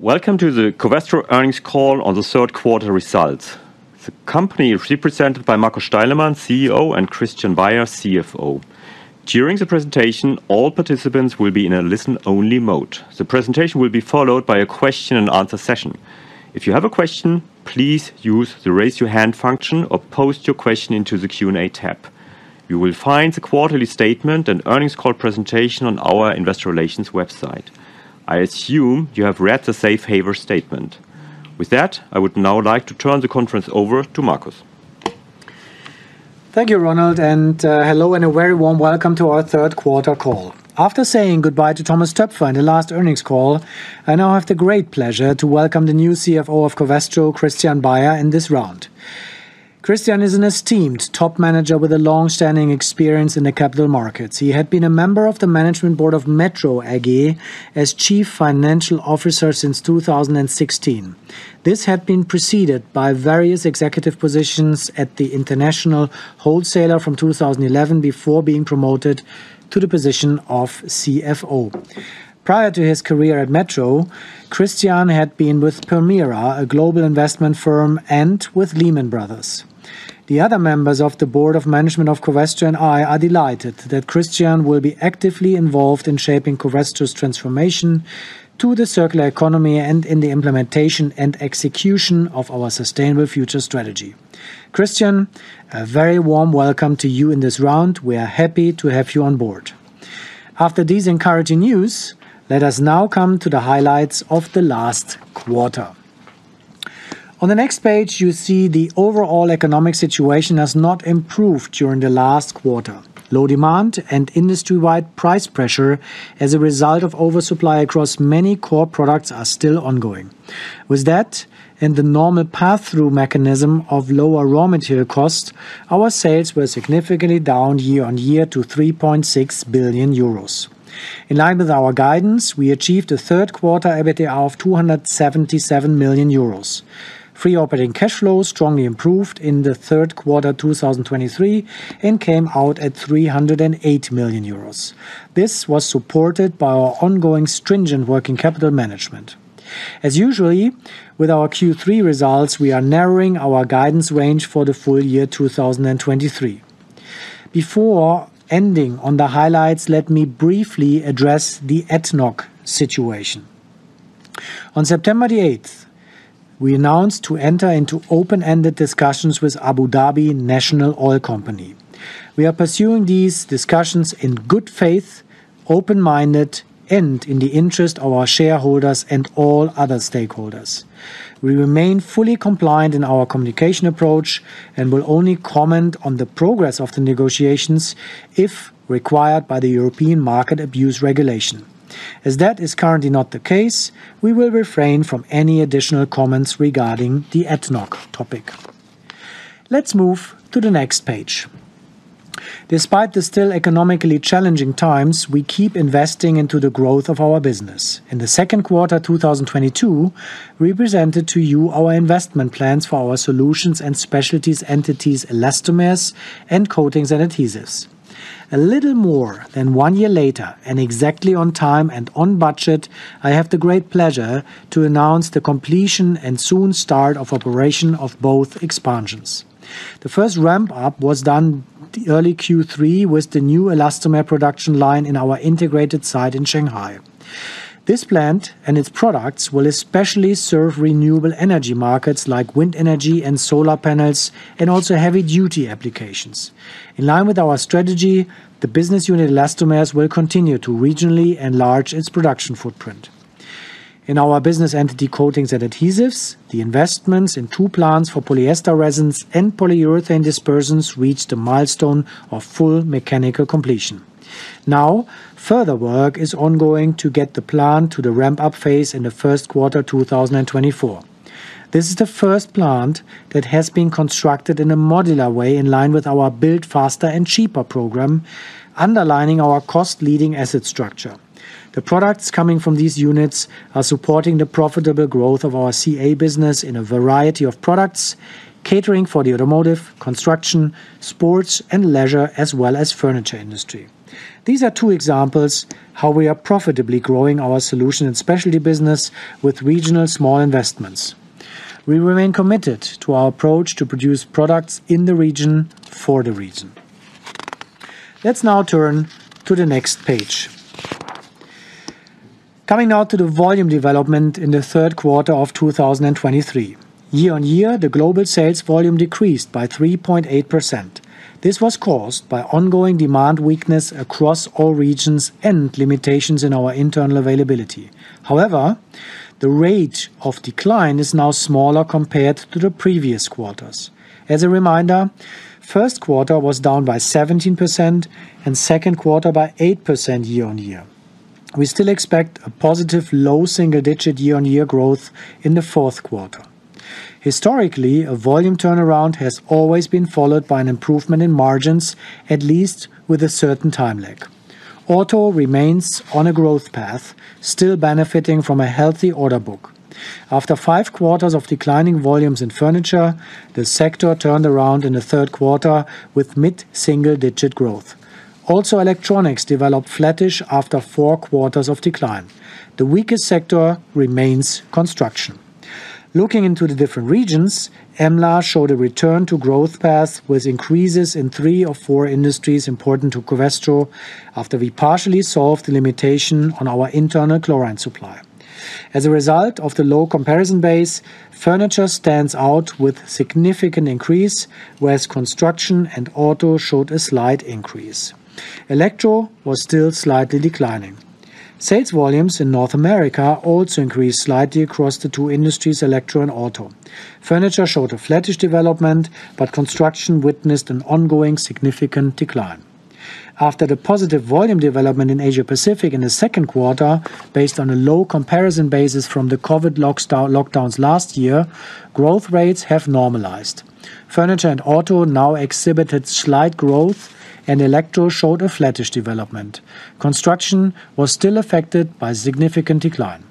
Welcome to the Covestro earnings call on the third quarter results. The company is represented by Markus Steilemann, CEO, and Christian Baier, CFO. During the presentation, all participants will be in a listen-only mode. The presentation will be followed by a question-and-answer session. If you have a question, please use the Raise Your Hand f unction or post your question into the Q&A tab. You will find the quarterly statement and earnings call presentation on our investor relations website. I assume you have read the safe harbor statement. With that, I would now like to turn the conference over to Markus. Thank you, Ronald, and, hello, and a very warm welcome to our third quarter call. After saying goodbye to Thomas Toepfer in the last earnings call, I now have the great pleasure to welcome the new CFO of Covestro, Christian Baier, in this round. Christian is an esteemed top manager with a long-standing experience in the capital markets. He had been a member of the management board of METRO AG as Chief Financial Officer since 2016. This had been preceded by various executive positions at the international wholesaler from 2011, before being promoted to the position of CFO. Prior to his career at METRO, Christian had been with Permira, a global investment firm, and with Lehman Brothers. The other members of the board of management of Covestro and I are delighted that Christian will be actively involved in shaping Covestro's transformation to the circular economy and in the implementation and execution of our sustainable future strategy. Christian, a very warm welcome to you in this round. We are happy to have you on board. After this encouraging news, let us now come to the highlights of the last quarter. On the next page, you see the overall economic situation has not improved during the last quarter. Low demand and industry-wide price pressure, as a result of oversupply across many core products, are still ongoing. With that and the normal pass-through mechanism of lower raw material cost, our sales were significantly down year-on-year to 3.6 billion euros. In line with our guidance, we achieved a third quarter EBITDA of 277 million euros. Free operating cash flow strongly improved in the third quarter, 2023, and came out at 308 million euros. This was supported by our ongoing stringent working capital management. As usual, with our Q3 results, we are narrowing our guidance range for the full year 2023. Before ending on the highlights, let me briefly address the ADNOC's situation. On September the eighth, we announced to enter into open-ended discussions with Abu Dhabi National Oil Company. We are pursuing these discussions in good faith, open-minded, and in the interest of our shareholders and all other stakeholders. We remain fully compliant in our communication approach and will only comment on the progress of the negotiations if required by the European Market Abuse Regulation. As that is currently not the case, we will refrain from any additional comments regarding the ADNOC's topic. Let's move to the next page. Despite the still economically challenging times, we keep investing into the growth of our business. In the second quarter, 2022, we presented to you our investment plans for our Solutions and Specialties entities, Elastomers and Coatings and Adhesives. A little more than one year later, and exactly on time and on budget, I have the great pleasure to announce the completion and soon start of operation of both expansions. The first ramp-up was done the early Q3, with the new Elastomer production line in our integrated site in Shanghai. This plant and its products will especially serve renewable energy markets, like wind energy and solar panels, and also heavy-duty applications. In line with our strategy, the business unit, Elastomers, will continue to regionally enlarge its production footprint. In our business entity, Coatings and Adhesives, the investments in two plants for polyester resins and polyurethane dispersions reached a milestone of full mechanical completion. Now, further work is ongoing to get the plant to the ramp-up phase in the first quarter, 2024. This is the first plant that has been constructed in a modular way, in line with our build faster and cheaper program, underlining our cost-leading asset structure. The products coming from these units are supporting the profitable growth of our CA business in a variety of products, catering for the automotive, construction, sports, and leisure, as well as furniture industry. These are two examples how we are profitably growing our solution and specialty business with regional small investments. We remain committed to our approach to produce products in the region, for the region. Let's now turn to the next page. Coming now to the volume development in the third quarter of 2023. Year-on-year, the global sales volume decreased by 3.8%. This was caused by ongoing demand weakness across all regions and limitations in our internal availability. However, the rate of decline is now smaller compared to the previous quarters. As a reminder, first quarter was down by 17% and second quarter by 8% year-on-year. We still expect a positive, low single-digit year-on-year growth in the fourth quarter. Historically, a volume turnaround has always been followed by an improvement in margins, at least with a certain time lag. Auto remains on a growth path, still benefiting from a healthy order book.... After five quarters of declining volumes in furniture, the sector turned around in the third quarter with mid-single-digit growth. Also, electronics developed flattish after four quarters of decline. The weakest sector remains construction. Looking into the different regions, EMLA showed a return to growth path, with increases in three of four industries important to Covestro, after we partially solved the limitation on our internal chlorine supply. As a result of the low comparison base, furniture stands out with significant increase, whereas construction and auto showed a slight increase. Electro was still slightly declining. Sales volumes in North America also increased slightly across the two industries, electro and auto. Furniture showed a flattish development, but construction witnessed an ongoing significant decline. After the positive volume development in Asia Pacific in the second quarter, based on a low comparison basis from the COVID lockdowns last year, growth rates have normalized. Furniture and auto now exhibited slight growth, and electro showed a flattish development. Construction was still affected by significant decline.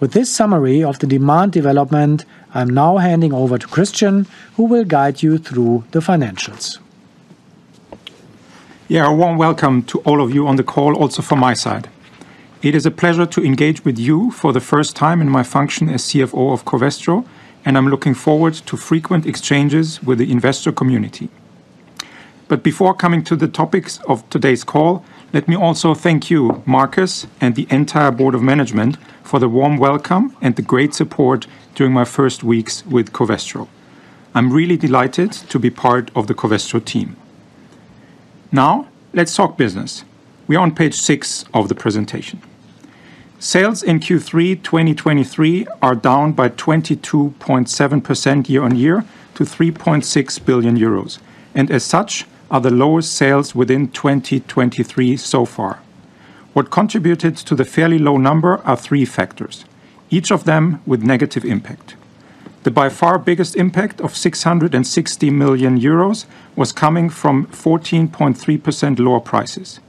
With this summary of the demand development, I'm now handing over to Christian, who will guide you through the financials. Yeah, a warm welcome to all of you on the call, also from my side. It is a pleasure to engage with you for the first time in my function as CFO of Covestro, and I'm looking forward to frequent exchanges with the investor community. But before coming to the topics of today's call, let me also thank you, Markus, and the entire board of management, for the warm welcome and the great support during my first weeks with Covestro. I'm really delighted to be part of the Covestro team. Now, let's talk business. We are on page 6 of the presentation. Sales in Q3 2023 are down by 22.7% year-on-year to 3.6 billion euros, and as such, are the lowest sales within 2023 so far. What contributed to the fairly low number are three factors, each of them with negative impact. The by far biggest impact of 660 million euros was coming from 14.3% lower prices.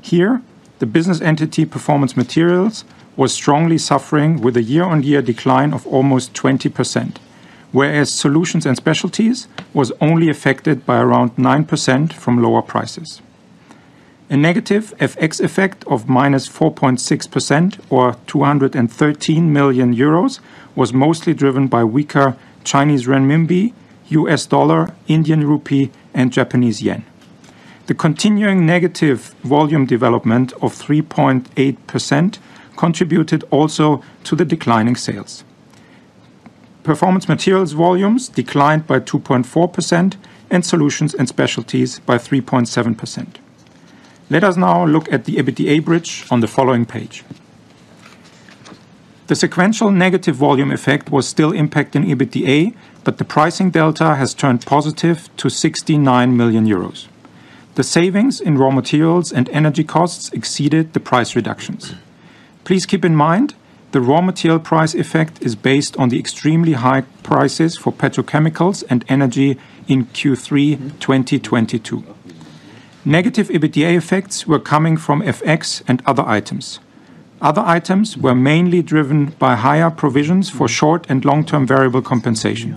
Here, the business entity Performance Materials was strongly suffering with a year-on-year decline of almost 20%, whereas Solutions and Specialties was only affected by around 9% from lower prices. A negative FX effect of -4.6%, or 213 million euros, was mostly driven by weaker Chinese renminbi, US dollar, Indian rupee, and Japanese yen. The continuing negative volume development of 3.8% contributed also to the decline in sales. Performance Materials volumes declined by 2.4%, and Solutions and Specialties by 3.7%. Let us now look at the EBITDA bridge on the following page. The sequential negative volume effect was still impacting EBITDA, but the pricing delta has turned positive to 69 million euros. The savings in raw materials and energy costs exceeded the price reductions. Please keep in mind, the raw material price effect is based on the extremely high prices for petrochemicals and energy in Q3 2022. Negative EBITDA effects were coming from FX and other items. Other items were mainly driven by higher provisions for short- and long-term variable compensation.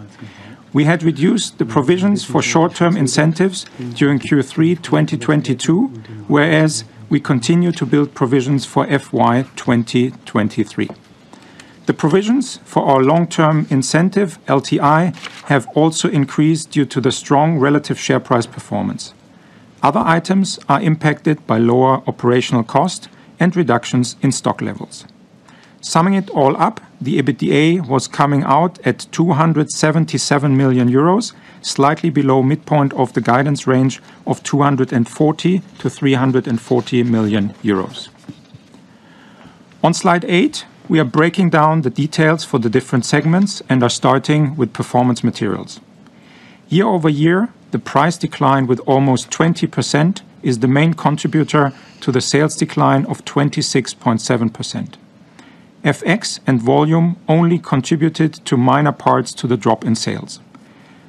We had reduced the provisions for short-term incentives during Q3 2022, whereas we continued to build provisions for FY 2023. The provisions for our long-term incentive, LTI, have also increased due to the strong relative share price performance. Other items are impacted by lower operational cost and reductions in stock levels. Summing it all up, the EBITDA was coming out at 277 million euros, slightly below midpoint of the guidance range of 240 million-340 million euros. On slide eight, we are breaking down the details for the different segments and are starting with Performance Materials. Year-over-year, the price decline with almost 20% is the main contributor to the sales decline of 26.7%. FX and volume only contributed to minor parts to the drop in sales.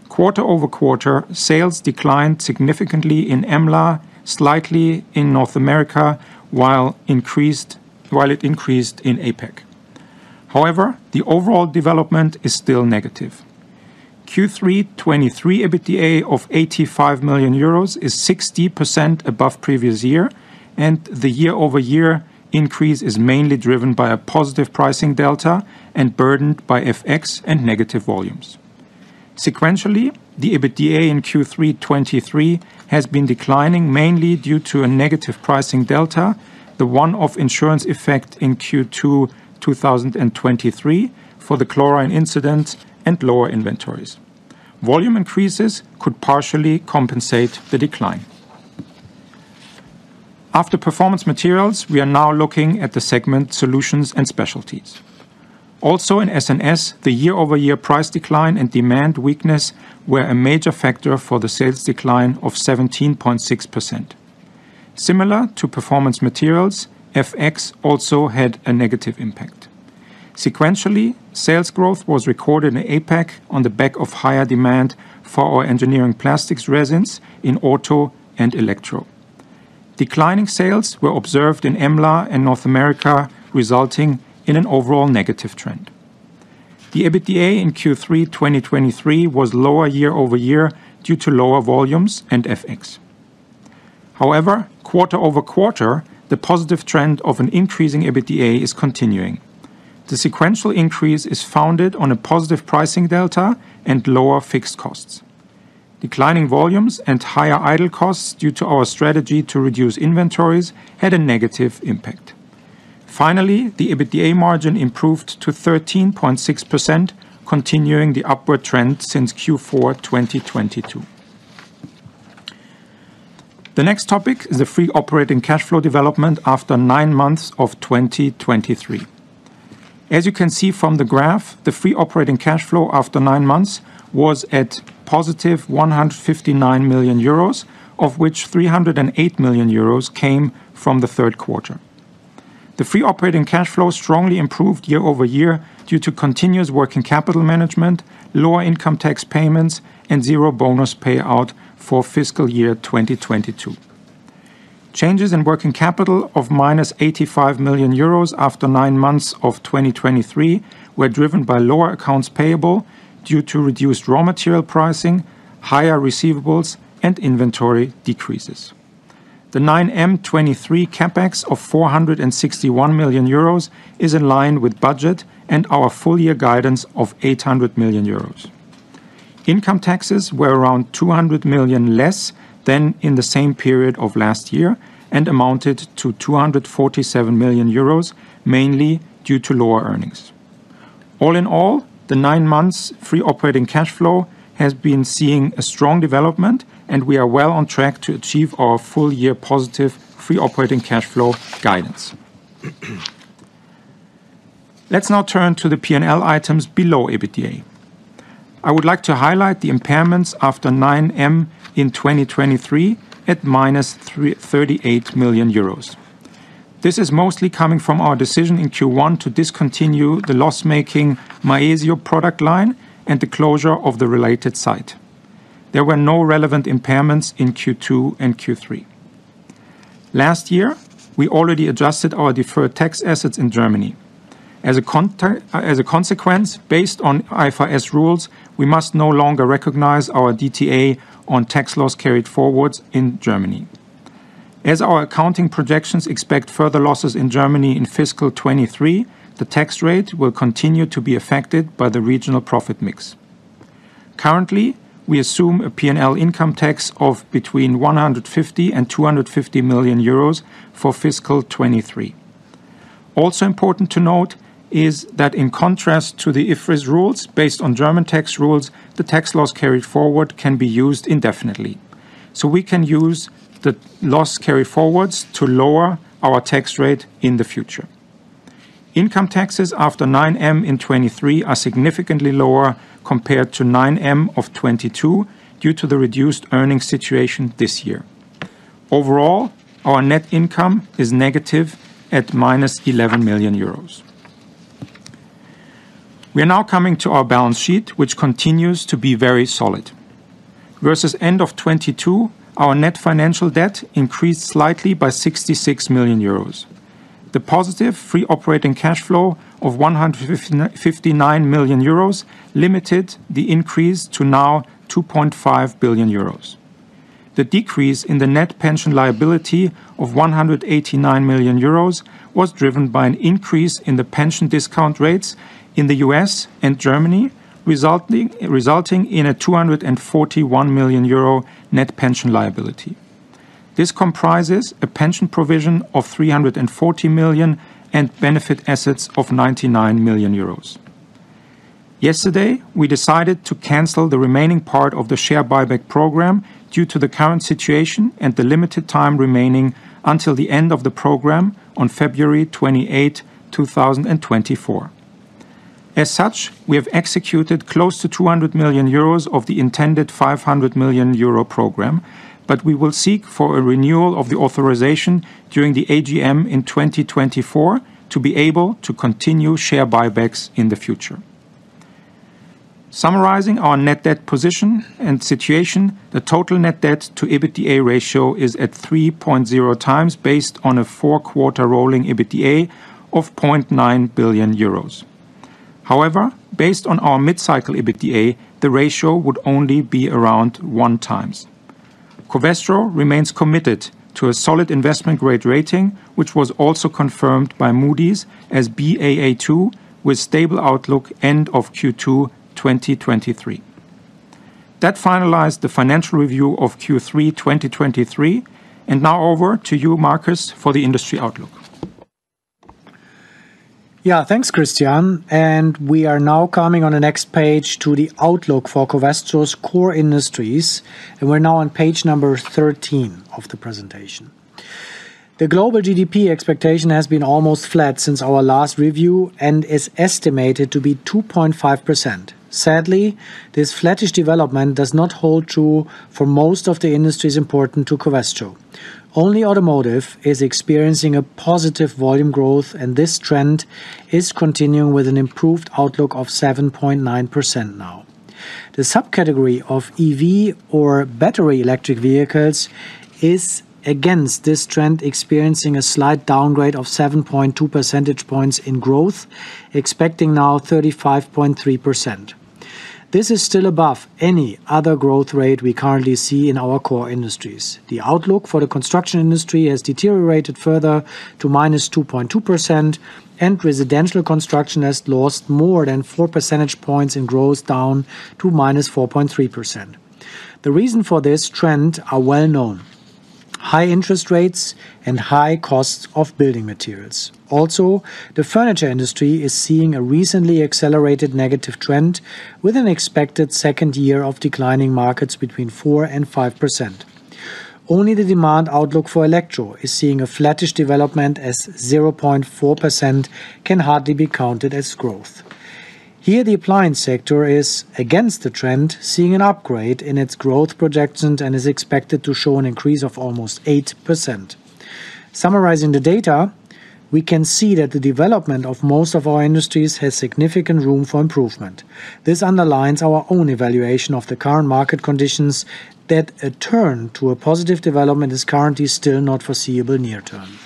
Quarter-over-quarter, sales declined significantly in EMLA, slightly in North America, while it increased in APAC. However, the overall development is still negative. Q3 2023 EBITDA of 85 million euros is 60% above previous year, and the year-over-year increase is mainly driven by a positive pricing delta and burdened by FX and negative volumes. Sequentially, the EBITDA in Q3 2023 has been declining, mainly due to a negative pricing delta, the one-off insurance effect in Q2 2023 for the chlorine incident, and lower inventories. Volume increases could partially compensate the decline. After Performance Materials, we are now looking at the segment Solutions and Specialties. Also in SNS, the year-over-year price decline and demand weakness were a major factor for the sales decline of 17.6%. Similar to Performance Materials, FX also had a negative impact. Sequentially, sales growth was recorded in APAC on the back of higher demand for our engineering plastics resins in auto and electro.... Declining sales were observed in EMLA and North America, resulting in an overall negative trend. The EBITDA in Q3 2023 was lower year-over-year due to lower volumes and FX. However, quarter-over-quarter, the positive trend of an increasing EBITDA is continuing. The sequential increase is founded on a positive pricing delta and lower fixed costs. Declining volumes and higher idle costs due to our strategy to reduce inventories had a negative impact. Finally, the EBITDA margin improved to 13.6%, continuing the upward trend since Q4 2022. The next topic is the free operating cash flow development after nine months of 2023. As you can see from the graph, the free operating cash flow after nine months was at +159 million euros, of which 308 million euros came from the third quarter. The free operating cash flow strongly improved year-over-year due to continuous working capital management, lower income tax payments, and zero bonus payout for fiscal year 2022. Changes in working capital of -85 million euros after nine months of 2023 were driven by lower accounts payable due to reduced raw material pricing, higher receivables, and inventory decreases. The 9M 2023 CapEx of 461 million euros is in line with budget and our full year guidance of 800 million euros. Income taxes were around 200 million less than in the same period of last year and amounted to 247 million euros, mainly due to lower earnings. All in all, the nine months free operating cash flow has been seeing a strong development, and we are well on track to achieve our full-year positive free operating cash flow guidance. Let's now turn to the P&L items below EBITDA. I would like to highlight the impairments after 9M in 2023 at -38 million euros. This is mostly coming from our decision in Q1 to discontinue the loss-making Maezio product line and the closure of the related site. There were no relevant impairments in Q2 and Q3. Last year, we already adjusted our deferred tax assets in Germany. As a consequence, based on IFRS rules, we must no longer recognize our DTA on tax loss carried forwards in Germany. As our accounting projections expect further losses in Germany in fiscal 2023, the tax rate will continue to be affected by the regional profit mix. Currently, we assume a P&L income tax of between 150 million and 250 million euros for fiscal 2023. Also important to note is that in contrast to the IFRS rules, based on German tax rules, the tax loss carried forward can be used indefinitely. So we can use the loss carry forwards to lower our tax rate in the future. Income taxes after 9M in 2023 are significantly lower compared to 9M of 2022, due to the reduced earnings situation this year. Overall, our net income is negative at -11 million euros. We are now coming to our balance sheet, which continues to be very solid. Versus end of 2022, our net financial debt increased slightly by 66 million euros. The positive free operating cash flow of 159 million euros limited the increase to now 2.5 billion euros. The decrease in the net pension liability of 189 million euros was driven by an increase in the pension discount rates in the US and Germany, resulting in a 241 million euro net pension liability. This comprises a pension provision of 340 million and benefit assets of 99 million euros. Yesterday, we decided to cancel the remaining part of the share buyback program due to the current situation and the limited time remaining until the end of the program on February 28th, 2024. As such, we have executed close to 200 million euros of the intended 500 million euro program, but we will seek for a renewal of the authorization during the AGM in 2024 to be able to continue share buybacks in the future. Summarizing our net debt position and situation, the total net debt to EBITDA ratio is at 3.0 times, based on a four-quarter rolling EBITDA of 0.9 billion euros. However, based on our mid-cycle EBITDA, the ratio would only be around one times. Covestro remains committed to a solid investment-grade rating, which was also confirmed by Moody's as Baa2, with stable outlook end of Q2 2023. That finalized the financial review of Q3 2023, and now over to you, Markus, for the industry outlook. Yeah, thanks, Christian. We are now coming on the next page to the outlook for Covestro's core industries, and we're now on page number thirteen of the presentation. The global GDP expectation has been almost flat since our last review and is estimated to be 2.5%. Sadly, this flattish development does not hold true for most of the industries important to Covestro. Only automotive is experiencing a positive volume growth, and this trend is continuing with an improved outlook of 7.9% now. The subcategory of EV or battery electric vehicles is, against this trend, experiencing a slight downgrade of 7.2% points in growth, expecting now 35.3%. This is still above any other growth rate we currently see in our core industries. The outlook for the construction industry has deteriorated further to -2.2%, and residential construction has lost more than four percentage points in growth, down to -4.3%. The reason for this trend are well known: high interest rates and high costs of building materials. Also, the furniture industry is seeing a recently accelerated negative trend, with an expected second year of declining markets between 4% and 5%. Only the demand outlook for electro is seeing a flattish development, as 0.4% can hardly be counted as growth. Here, the appliance sector is, against the trend, seeing an upgrade in its growth projections and is expected to show an increase of almost 8%. Summarizing the data, we can see that the development of most of our industries has significant room for improvement. This underlines our own evaluation of the current market conditions, that a turn to a positive development is currently still not foreseeable near-term.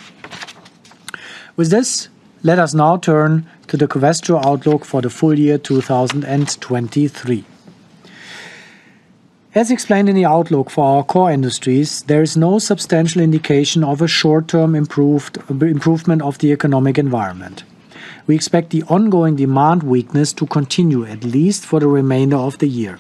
With this, let us now turn to the Covestro outlook for the full year 2023. As explained in the outlook for our core industries, there is no substantial indication of a short-term improved, improvement of the economic environment. We expect the ongoing demand weakness to continue, at least for the remainder of the year.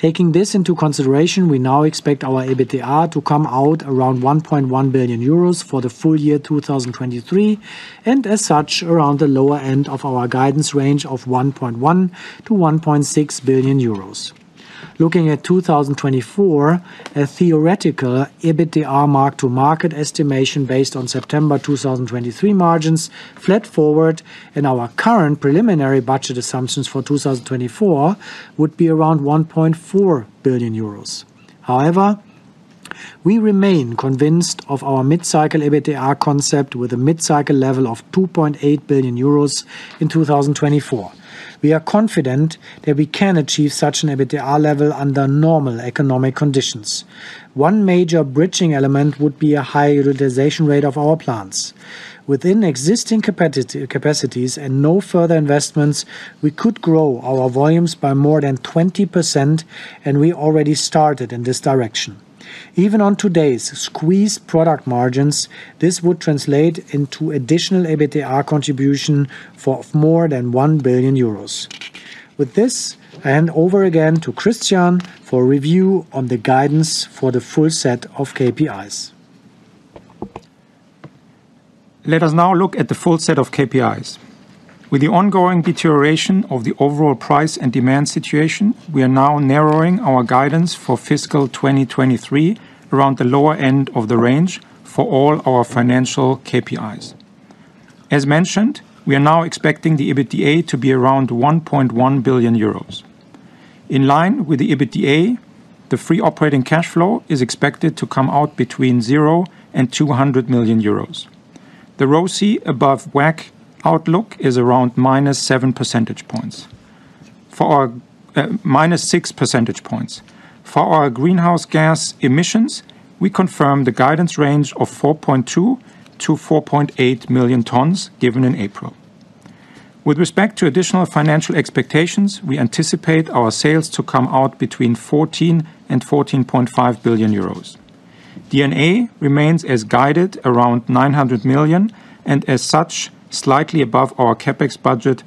Taking this into consideration, we now expect our EBITDA to come out around 1.1 billion euros for the full year 2023, and as such, around the lower end of our guidance range of 1.1 billion-1.6 billion euros. Looking at 2024, a theoretical EBITDA mark to market estimation, based on September 2023 margins, flat forward in our current preliminary budget assumptions for 2024, would be around 1.4 billion euros. However, we remain convinced of our mid-cycle EBITDA concept, with a mid-cycle level of 2.8 billion euros in 2024. We are confident that we can achieve such an EBITDA level under normal economic conditions. One major bridging element would be a high utilization rate of our plants. Within existing capacities and no further investments, we could grow our volumes by more than 20%, and we already started in this direction. Even on today's squeezed product margins, this would translate into additional EBITDA contribution for more than 1 billion euros. With this, I hand over again to Christian for a review on the guidance for the full set of KPIs. Let us now look at the full set of KPIs. With the ongoing deterioration of the overall price and demand situation, we are now narrowing our guidance for fiscal 2023 around the lower end of the range for all our financial KPIs. As mentioned, we are now expecting the EBITDA to be around 1.1 billion euros. In line with the EBITDA, the free operating cash flow is expected to come out between 0-200 million euros. The ROCE above WACC outlook is around -7 percentage points. For our minus six percentage points. For our greenhouse gas emissions, we confirm the guidance range of 4.2-4.8 million tons, given in April. With respect to additional financial expectations, we anticipate our sales to come out between 14-14.5 billion euros. EBITDA remains as guided, around 900 million, and as such, slightly above our CapEx budget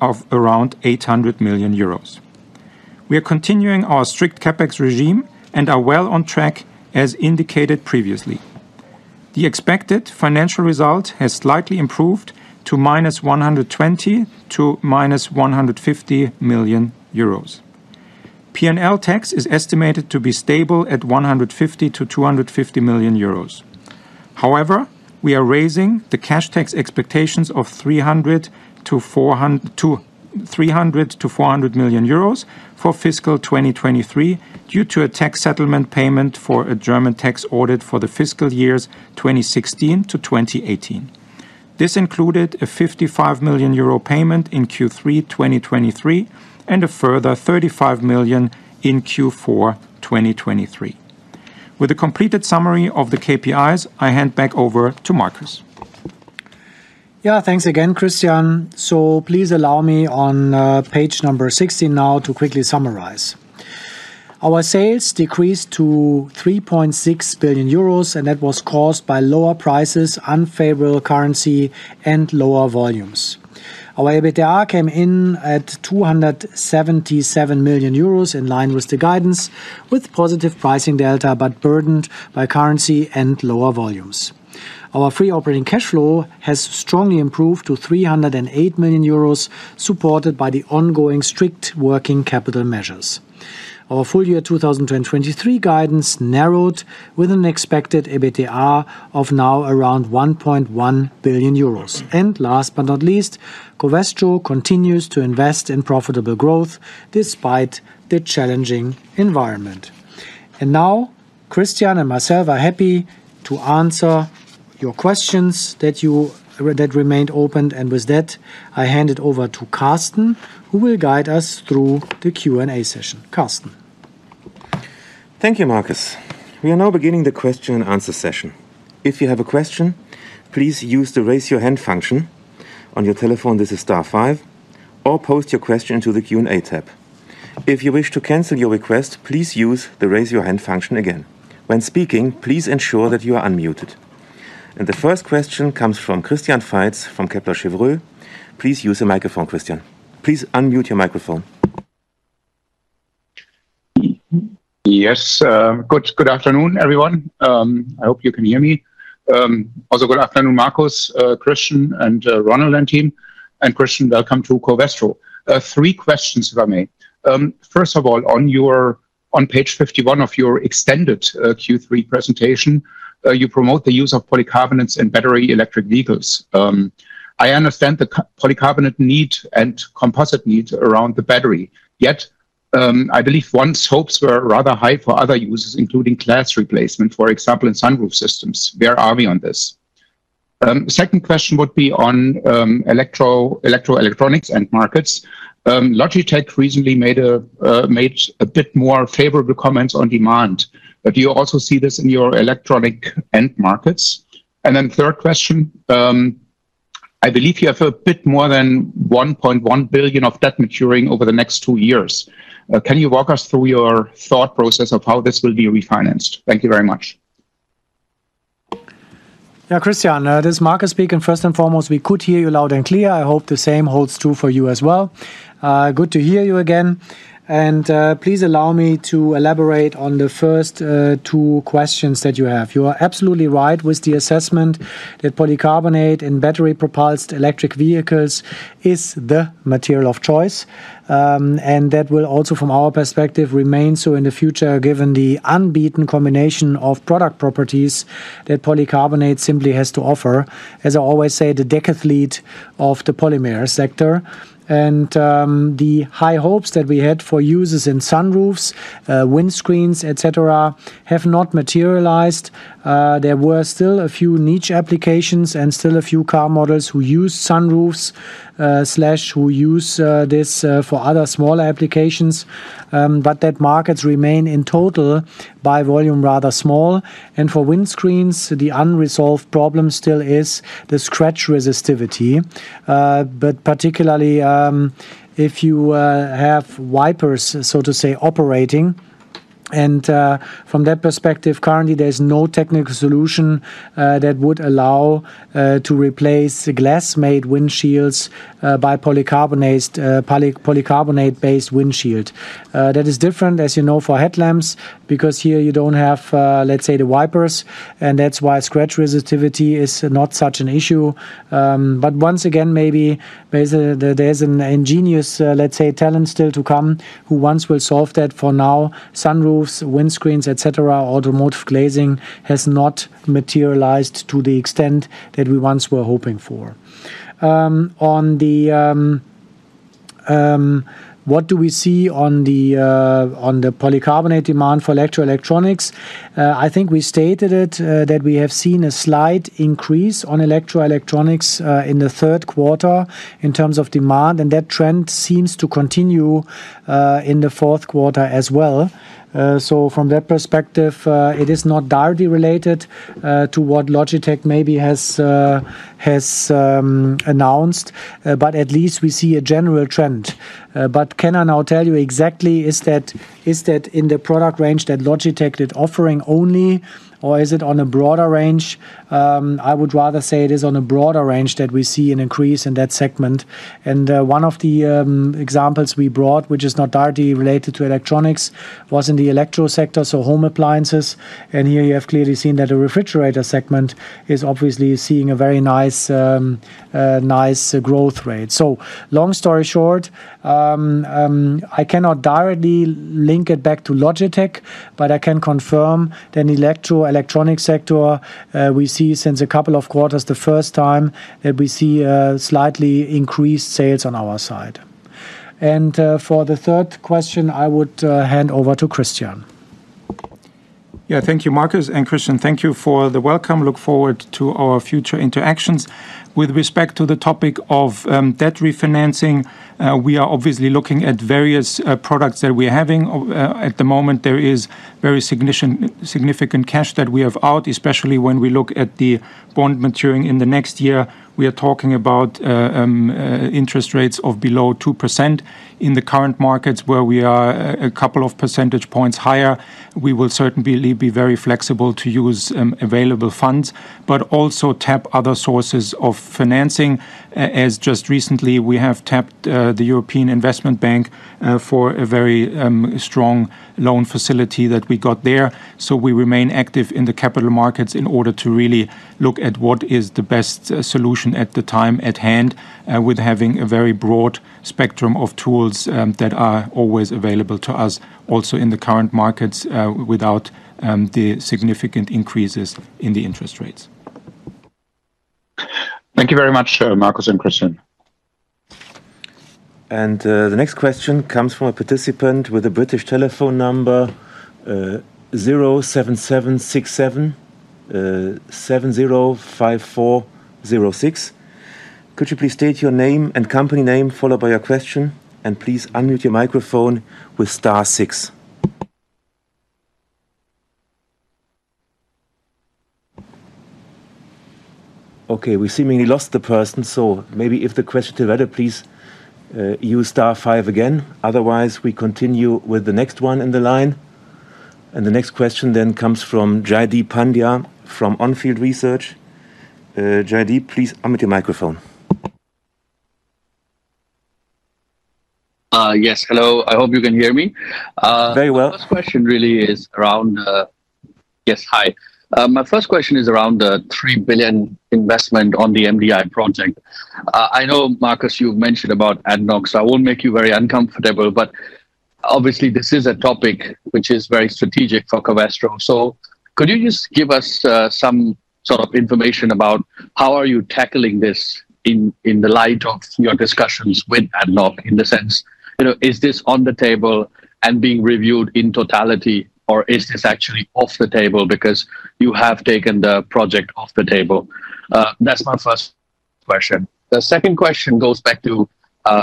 of around 800 million euros. We are continuing our strict CapEx regime and are well on track, as indicated previously. The expected financial result has slightly improved to -120 million--150 million euros. P&L tax is estimated to be stable at 150 million-250 million euros. However, we are raising the cash tax expectations of 300 million-400 million euros for fiscal 2023, due to a tax settlement payment for a German tax audit for the fiscal years 2016-2018. This included a 55 million euro payment in Q3 2023, and a further 35 million in Q4 2023. With a completed summary of the KPIs, I hand back over to Markus. Yeah. Thanks again, Christian. So please allow me, on, page number 16 now, to quickly summarize. Our sales decreased to 3.6 billion euros, and that was caused by lower prices, unfavorable currency, and lower volumes. Our EBITDA came in at 277 million euros, in line with the guidance, with positive pricing delta, but burdened by currency and lower volumes. Our free operating cash flow has strongly improved to 308 million euros, supported by the ongoing strict working capital measures. Our full year 2023 guidance narrowed, with an expected EBITDA of now around 1.1 billion euros. And last but not least, Covestro continues to invest in profitable growth, despite the challenging environment. And now Christian and myself are happy to answer your questions that remained open. With that, I hand it over to Carsten, who will guide us through the Q&A session. Carsten. Thank you, Markus. We are now beginning the question and answer session. If you have a question, please use the Raise Your Hand function. On your telephone, this is star five, or post your question to the Q&A tab. If you wish to cancel your request, please use the Raise Your Hand function again. When speaking, please ensure that you are unmuted. The first question comes from Christian Faitz from Kepler Cheuvreux. Please use the microphone, Christian. Please unmute your microphone. Yes, good afternoon, everyone. I hope you can hear me. Also, good afternoon, Markus, Christian, and Ronald, and team. Christian, welcome to Covestro. Three questions, if I may. First of all, on page 51 of your extended Q3 presentation, you promote the use of polycarbonates in battery electric vehicles. I understand the polycarbonate need and composite need around the battery, yet I believe one's hopes were rather high for other uses, including glass replacement, for example, in sunroof systems. Where are we on this? Second question would be on electronics end markets. Logitech recently made a bit more favorable comments on demand. Do you also see this in your electronic end markets? Third question, I believe you have a bit more than 1.1 billion of debt maturing over the next two years. Can you walk us through your thought process of how this will be refinanced? Thank you very much. Yeah, Christian, this is Markus speaking. First and foremost, we could hear you loud and clear. I hope the same holds true for you as well. Good to hear you again, and please allow me to elaborate on the first two questions that you have. You are absolutely right with the assessment that polycarbonate and battery-propelled electric vehicles is the material of choice, and that will also, from our perspective, remain so in the future, given the unbeaten combination of product properties that polycarbonate simply has to offer. As I always say, the decathlete of the polymer sector. And the high hopes that we had for users in sunroofs, windscreens, et cetera, have not materialized. There were still a few niche applications and still a few car models who use sunroofs, slash who use this, for other smaller applications, but that markets remain, in total, by volume, rather small. For windscreens, the unresolved problem still is the scratch resistivity. But particularly, if you have wipers, so to say, operating, and from that perspective, currently there's no technical solution that would allow to replace the glass-made windshields by polycarbonate, poly- polycarbonate-based windshield. That is different, as you know, for headlamps, because here you don't have, let's say, the wipers, and that's why scratch resistivity is not such an issue. But once again, maybe there's an ingenious, let's say, talent still to come who once will solve that. For now, sunroofs, windscreens, et cetera, automotive glazing has not materialized to the extent that we once were hoping for. On the, what do we see on the, on the polycarbonate demand for electro electronics? I think we stated it, that we have seen a slight increase on electro electronics, in the third quarter in terms of demand, and that trend seems to continue, in the fourth quarter as well. So from that perspective, it is not directly related, to what Logitech maybe has, has, announced, but at least we see a general trend. But can I now tell you exactly is that, is that in the product range that Logitech is offering only, or is it on a broader range? I would rather say it is on a broader range that we see an increase in that segment. And, one of the examples we brought, which is not directly related to electronics, was in the electro sector, so home appliances. And here you have clearly seen that the refrigerator segment is obviously seeing a very nice, nice growth rate. So long story short, I cannot directly link it back to Logitech, but I can confirm that in electro electronics sector, we see since a couple of quarters, the first time that we see, slightly increased sales on our side. And, for the third question, I would hand over to Christian. Yeah. Thank you, Markus and Christian. Thank you for the welcome. Look forward to our future interactions. With respect to the topic of debt refinancing, we are obviously looking at various products that we are having. At the moment, there is very significant cash that we have out, especially when we look at the bond maturing in the next year. We are talking about interest rates of below 2% in the current markets, where we are a couple of percentage points higher. We will certainly be very flexible to use available funds, but also tap other sources of financing. As just recently, we have tapped the European Investment Bank for a very strong loan facility that we got there. So we remain active in the capital markets in order to really look at what is the best solution at the time at hand with having a very broad spectrum of tools that are always available to us also in the current markets without the significant increases in the interest rates.... Thank you very much, Markus and Christian. And, the next question comes from a participant with a British telephone number, 07767 705406. Could you please state your name and company name, followed by your question? And please unmute your microphone with star six. Okay, we seemingly lost the person, so maybe if the questioner could please use star five again. Otherwise, we continue with the next one in the line. And the next question then comes from Jaideep Pandya from Onfield Research. Jaideep, please unmute your microphone. Yes, hello. I hope you can hear me. Very well. First question really is around. Yes, hi. My first question is around the 3 billion investment on the MDI project. I know, Markus, you've mentioned about ADNOC, so I won't make you very uncomfortable, but obviously this is a topic which is very strategic for Covestro. So could you just give us some sort of information about how are you tackling this in the light of your discussions with ADNOC, in the sense, you know, is this on the table and being reviewed in totality? Or is this actually off the table because you have taken the project off the table? That's my first question. The second question goes back to,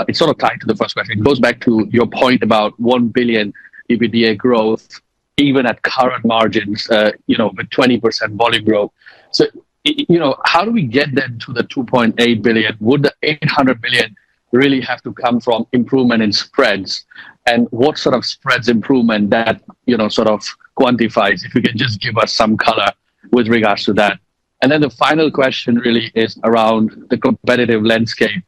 it's sort of tied to the first question. It goes back to your point about 1 billion EBITDA growth, even at current margins, you know, with 20% volume growth. So you know, how do we get then to the 2.8 billion? Would the 800 million really have to come from improvement in spreads? And what sort of spreads improvement that, you know, sort of quantifies, if you can just give us some color with regards to that. And then the final question really is around the competitive landscape.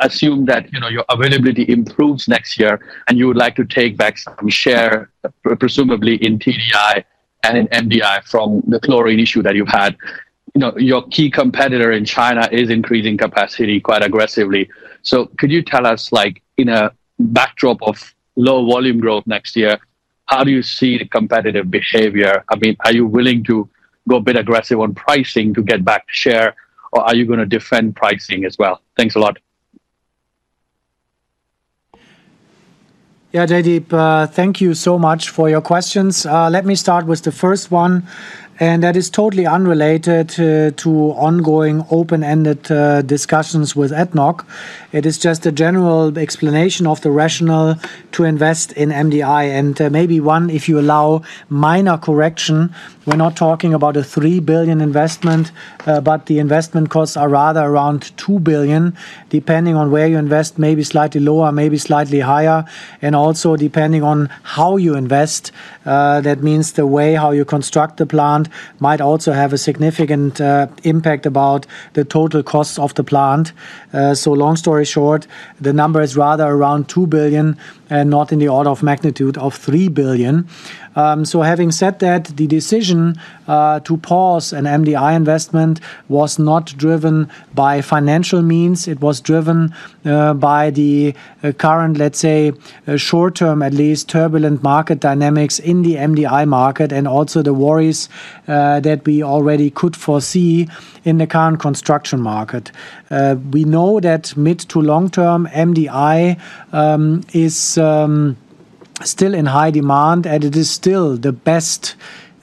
Assume that, you know, your availability improves next year, and you would like to take back some share, presumably in TDI and in MDI, from the chlorine issue that you've had. You know, your key competitor in China is increasing capacity quite aggressively. So could you tell us, like, in a backdrop of low volume growth next year, how do you see the competitive behavior? I mean, are you willing to go a bit aggressive on pricing to get back the share, or are you gonna defend pricing as well? Thanks a lot. Yeah, Jaideep, thank you so much for your questions. Let me start with the first one, and that is totally unrelated to ongoing, open-ended discussions with ADNOC. It is just a general explanation of the rationale to invest in MDI. And maybe one, if you allow minor correction, we're not talking about a 3 billion investment, but the investment costs are rather around 2 billion, depending on where you invest, maybe slightly lower, maybe slightly higher, and also depending on how you invest. That means the way how you construct the plant might also have a significant impact about the total cost of the plant. So long story short, the number is rather around 2 billion and not in the order of magnitude of 3 billion. So having said that, the decision to pause an MDI investment was not driven by financial means. It was driven by the current, let's say, short-term, at least, turbulent market dynamics in the MDI market and also the worries that we already could foresee in the current construction market. We know that mid- to long-term MDI is still in high demand, and it is still the best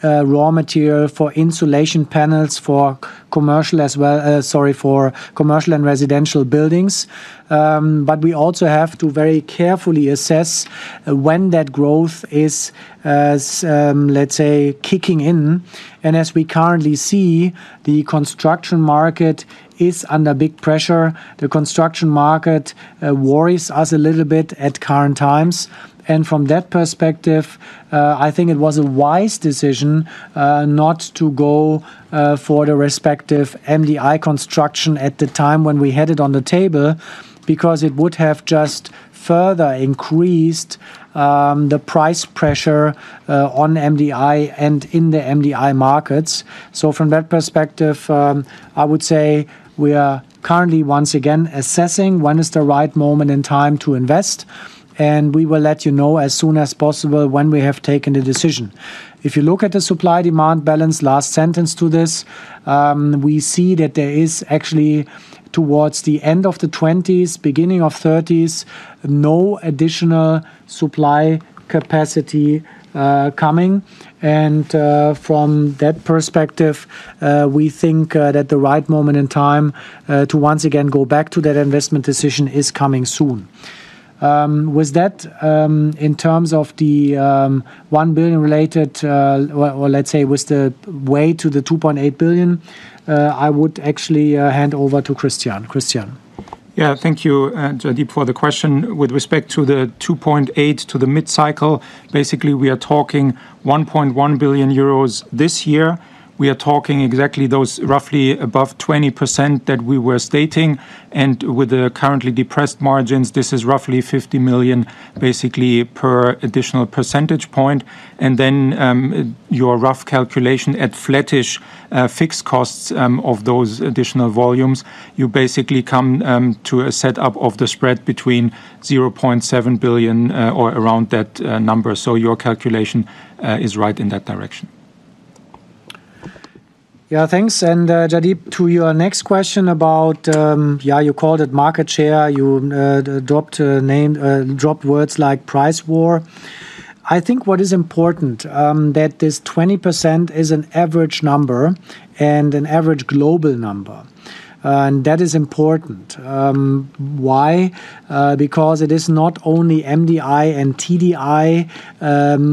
raw material for insulation panels, for commercial as well... sorry, for commercial and residential buildings. But we also have to very carefully assess when that growth is, as let's say, kicking in. As we currently see, the construction market is under big pressure. The construction market worries us a little bit at current times. And from that perspective, I think it was a wise decision, not to go, for the respective MDI construction at the time when we had it on the table, because it would have just further increased, the price pressure, on MDI and in the MDI markets. So from that perspective, I would say we are currently, once again, assessing when is the right moment in time to invest, and we will let you know as soon as possible when we have taken the decision. If you look at the supply-demand balance, last sentence to this, we see that there is actually, towards the end of the 2020s, beginning of the 2030s, no additional supply capacity, coming. From that perspective, we think that the right moment in time to once again go back to that investment decision is coming soon. With that, in terms of the 1 billion related, well, let's say, with the way to the 2.8 billion, I would actually hand over to Christian. Christian? Yeah. Thank you, Jaideep, for the question. With respect to the 2.8 to the mid-cycle, basically, we are talking 1.1 billion euros this year. We are talking exactly those roughly above 20% that we were stating. And with the currently depressed margins, this is roughly 50 million, basically, per additional percentage point. And then, your rough calculation at flattish fixed costs of those additional volumes you basically come to a set up of the spread between 0.7 billion or around that number. So your calculation is right in that direction. Yeah, thanks. And, Jaideep, to your next question about, yeah, you called it market share. You, dropped a name, dropped words like price war. I think what is important, that this 20% is an average number and an average global number, and that is important. Why? Because it is not only MDI and TDI,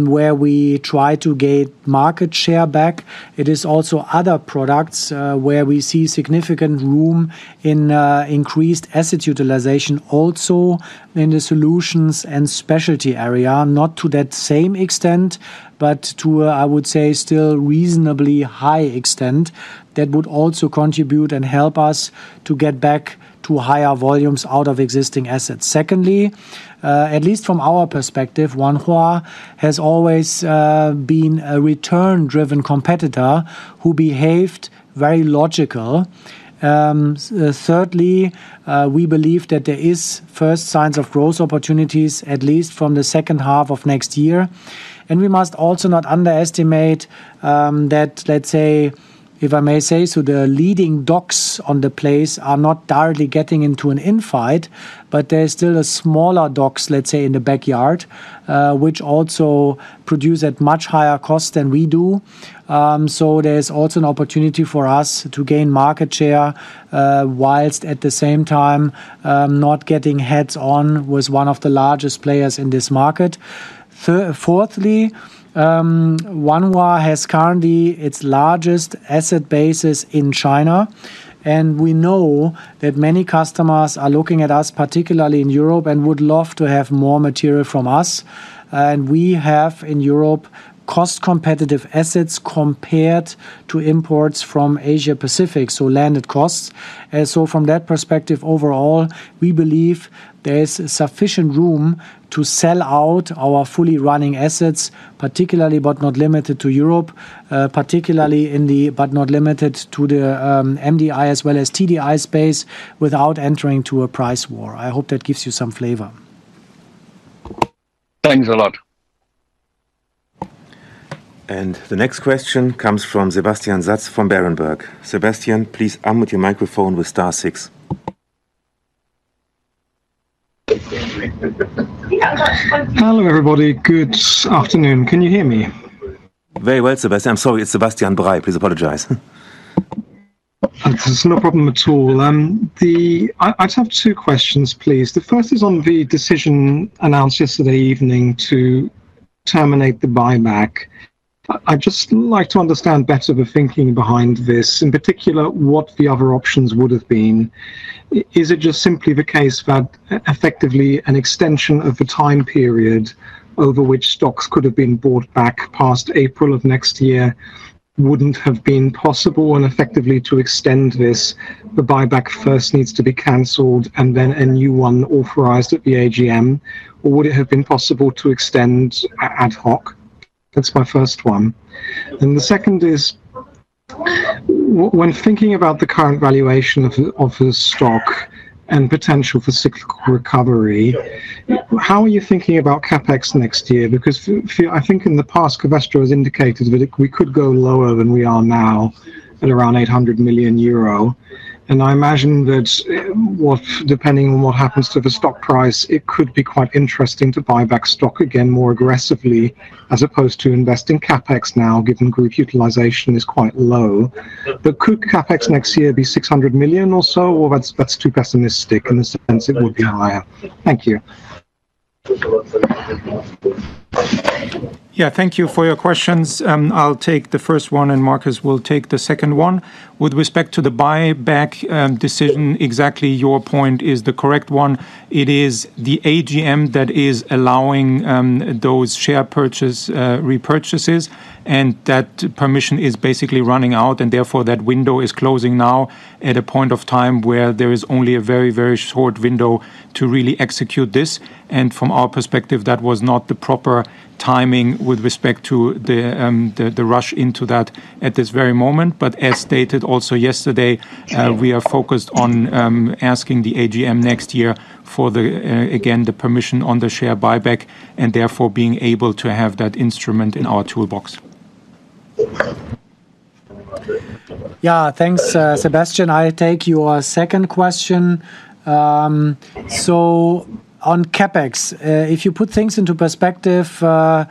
where we try to gain market share back, it is also other products, where we see significant room in, increased asset utilization, also in the solutions and specialty area, not to that same extent, but to a, I would say, still reasonably high extent that would also contribute and help us to get back to higher volumes out of existing assets. Secondly, at least from our perspective, Wanhua has always, been a return-driven competitor who behaved very logical. Thirdly, we believe that there is first signs of growth opportunities, at least from the second half of next year. And we must also not underestimate, that, let's say, if I may say, so the leading dogs in the space are not directly getting into an in-fight, but there is still a smaller dogs, let's say, in the backyard, which also produce at much higher cost than we do. So there's also an opportunity for us to gain market share, whilst at the same time, not getting head-on with one of the largest players in this market. Fourthly, Wanhua has currently its largest asset bases in China, and we know that many customers are looking at us, particularly in Europe, and would love to have more material from us. We have, in Europe, cost competitive assets compared to imports from Asia Pacific, so landed costs. So from that perspective, overall, we believe there is sufficient room to sell out our fully running assets, particularly but not limited to Europe, particularly in the, but not limited to the, MDI as well as TDI space, without entering to a price war. I hope that gives you some flavor. Thanks a lot. The next question comes from Sebastian Bray from Berenberg. Sebastian, please unmute your microphone with star six. Hello, everybody. Good afternoon. Can you hear me? Very well, Sebastian. I'm sorry, it's Sebastian Bray. Please apologize. It's no problem at all. I just have two questions, please. The first is on the decision announced yesterday evening to terminate the buyback. I'd just like to understand better the thinking behind this, in particular, what the other options would have been. Is it just simply the case that effectively, an extension of the time period over which stocks could have been bought back past April of next year, wouldn't have been possible and effectively to extend this, the buyback first needs to be canceled and then a new one authorized at the AGM? Or would it have been possible to extend ADNOC? That's my first one. Then the second is, when thinking about the current valuation of the stock and potential for cyclical recovery, how are you thinking about CapEx next year? Because I think in the past, Covestro has indicated that it, we could go lower than we are now at around 800 million euro. And I imagine that, well, depending on what happens to the stock price, it could be quite interesting to buy back stock again more aggressively, as opposed to investing CapEx now, given group utilization is quite low. But could CapEx next year be 600 million or so, or that's too pessimistic in the sense it would be higher? Thank you. Yeah, thank you for your questions. I'll take the first one, and Markus will take the second one. With respect to the buyback decision, exactly, your point is the correct one. It is the AGM that is allowing those share purchase repurchases, and that permission is basically running out, and therefore, that window is closing now at a point of time where there is only a very, very short window to really execute this. And from our perspective, that was not the proper timing with respect to the rush into that at this very moment. But as stated also yesterday, we are focused on asking the AGM next year for the permission again on the share buyback and therefore being able to have that instrument in our toolbox. Yeah, thanks, Sebastian. I take your second question. On CapEx, if you put things into perspective, the,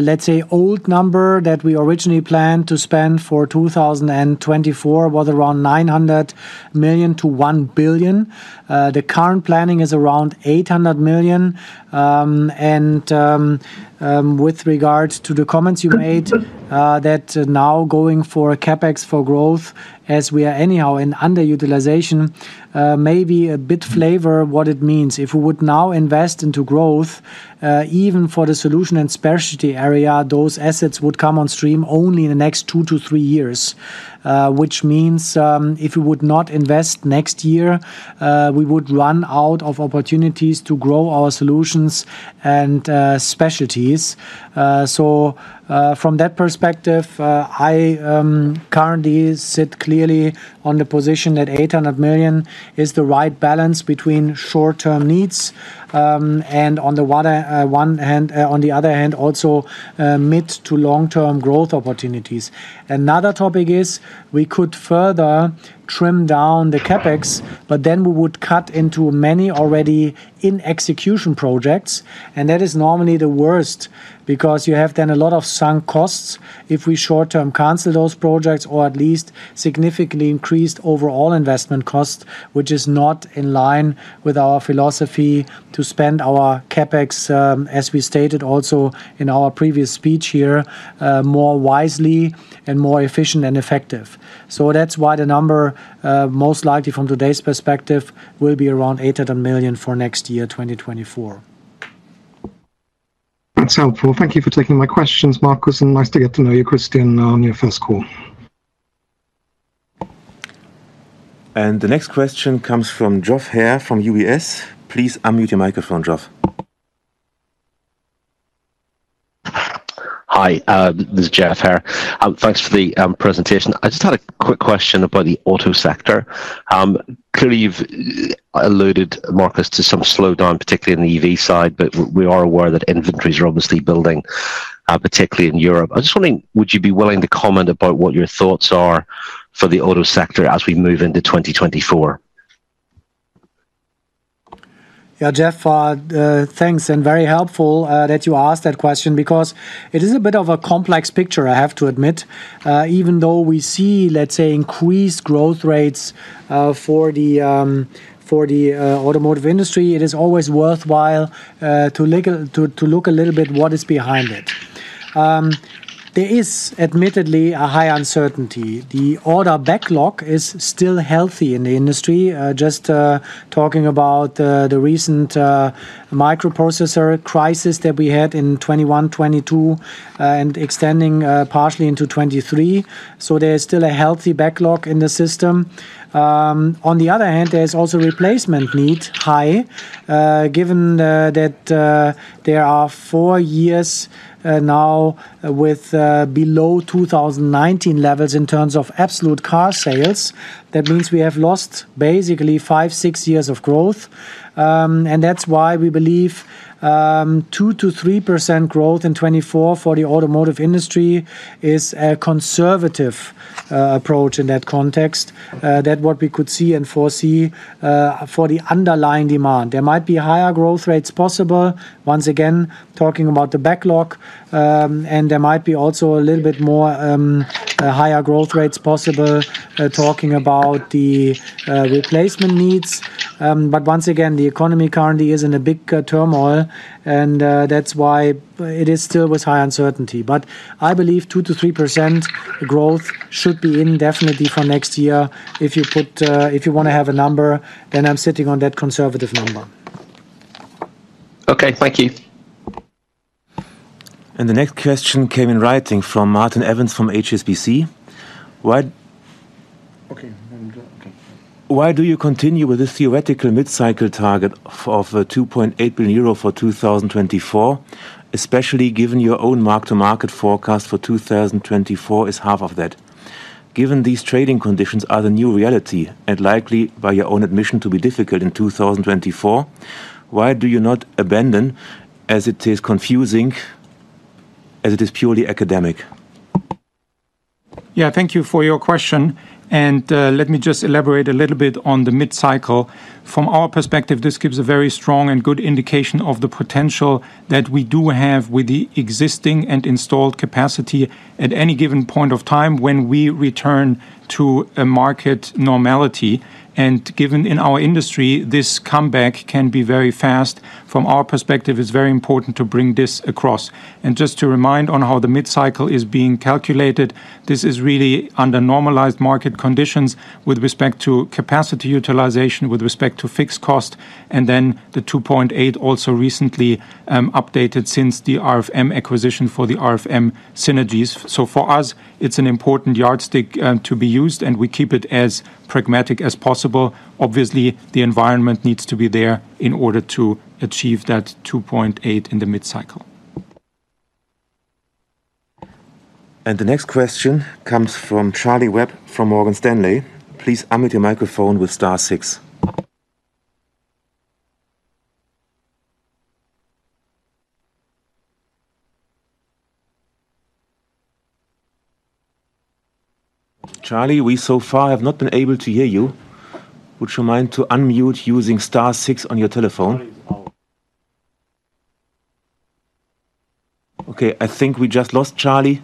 let's say, old number that we originally planned to spend for 2024 was around 900 million-1 billion. The current planning is around 800 million. With regards to the comments you made, that now going for a CapEx for growth as we are anyhow in underutilization, may be a bit flavor what it means. If we would now invest into growth, even for the solutions and specialties area, those assets would come on stream only in the next two to three years. Which means, if we would not invest next year, we would run out of opportunities to grow our solutions and specialties. So, from that perspective, I currently sit clearly on the position that 800 million is the right balance between short-term needs, and on the one hand, on the other hand, also, mid- to long-term growth opportunities. Another topic is, we could further trim down the CapEx, but then we would cut into many already in-execution projects, and that is normally the worst, because you have then a lot of sunk costs if we short-term cancel those projects, or at least significantly increased overall investment costs, which is not in line with our philosophy to spend our CapEx, as we stated also in our previous speech here, more wisely and more efficient and effective. So that's why the number, most likely from today's perspective, will be around 800 million for next year, 2024. That's helpful. Thank you for taking my questions, Markus, and nice to get to know you, Christian, on your first call. The next question comes from Geoff Haire from UBS. Please unmute your microphone, Geoff. Hi, this is Geoff Haire. Thanks for the presentation. I just had a quick question about the auto sector. Clearly you've alluded, Markus, to some slowdown, particularly in the EV side, but we are aware that inventories are obviously building, particularly in Europe. I was just wondering, would you be willing to comment about what your thoughts are for the auto sector as we move into 2024? Yeah, Geoff, thanks, and very helpful that you asked that question because it is a bit of a complex picture, I have to admit. Even though we see, let's say, increased growth rates for the automotive industry, it is always worthwhile to look a little bit what is behind it. There is admittedly a high uncertainty. The order backlog is still healthy in the industry. Just talking about the recent microprocessor crisis that we had in 2021, 2022, and extending partially into 2023, so there is still a healthy backlog in the system. On the other hand, there is also replacement need high, given that there are 4 years now with below 2019 levels in terms of absolute car sales. That means we have lost basically 5-6 years of growth. And that's why we believe 2%-3% growth in 2024 for the automotive industry is a conservative approach in that context, that what we could see and foresee for the underlying demand. There might be higher growth rates possible, once again, talking about the backlog, and there might be also a little bit more higher growth rates possible, talking about the replacement needs. But once again, the economy currently is in a big turmoil, and that's why it is still with high uncertainty. But I believe 2%-3% growth should be definitely for next year. If you put... If you want to have a number, then I'm sitting on that conservative number. Okay. Thank you. The next question came in writing from Martin Evans, from HSBC: Okay, let me check. Okay. Why do you continue with this theoretical mid-cycle target for the 2.8 billion euro for 2024, especially given your own mark-to-market forecast for 2024 is half of that? Given these trading conditions are the new reality and likely, by your own admission, to be difficult in 2024, why do you not abandon, as it is confusing, as it is purely academic? Yeah, thank you for your question, and let me just elaborate a little bit on the mid-cycle. From our perspective, this gives a very strong and good indication of the potential that we do have with the existing and installed capacity at any given point of time when we return to a market normality. And given in our industry, this comeback can be very fast, from our perspective, it's very important to bring this across. And just to remind on how the mid-cycle is being calculated, this is really under normalized market conditions with respect to capacity utilization, with respect to fixed cost, and then the 2.8 also recently updated since the RFM acquisition for the RFM synergies. So for us, it's an important yardstick to be used, and we keep it as pragmatic as possible. Obviously, the environment needs to be there in order to achieve that 2.8 in the mid-cycle. The next question comes from Charlie Webb, from Morgan Stanley. Please unmute your microphone with star six. Charlie, we so far have not been able to hear you. Would you mind to unmute using star six on your telephone? Charlie is out. Okay, I think we just lost Charlie.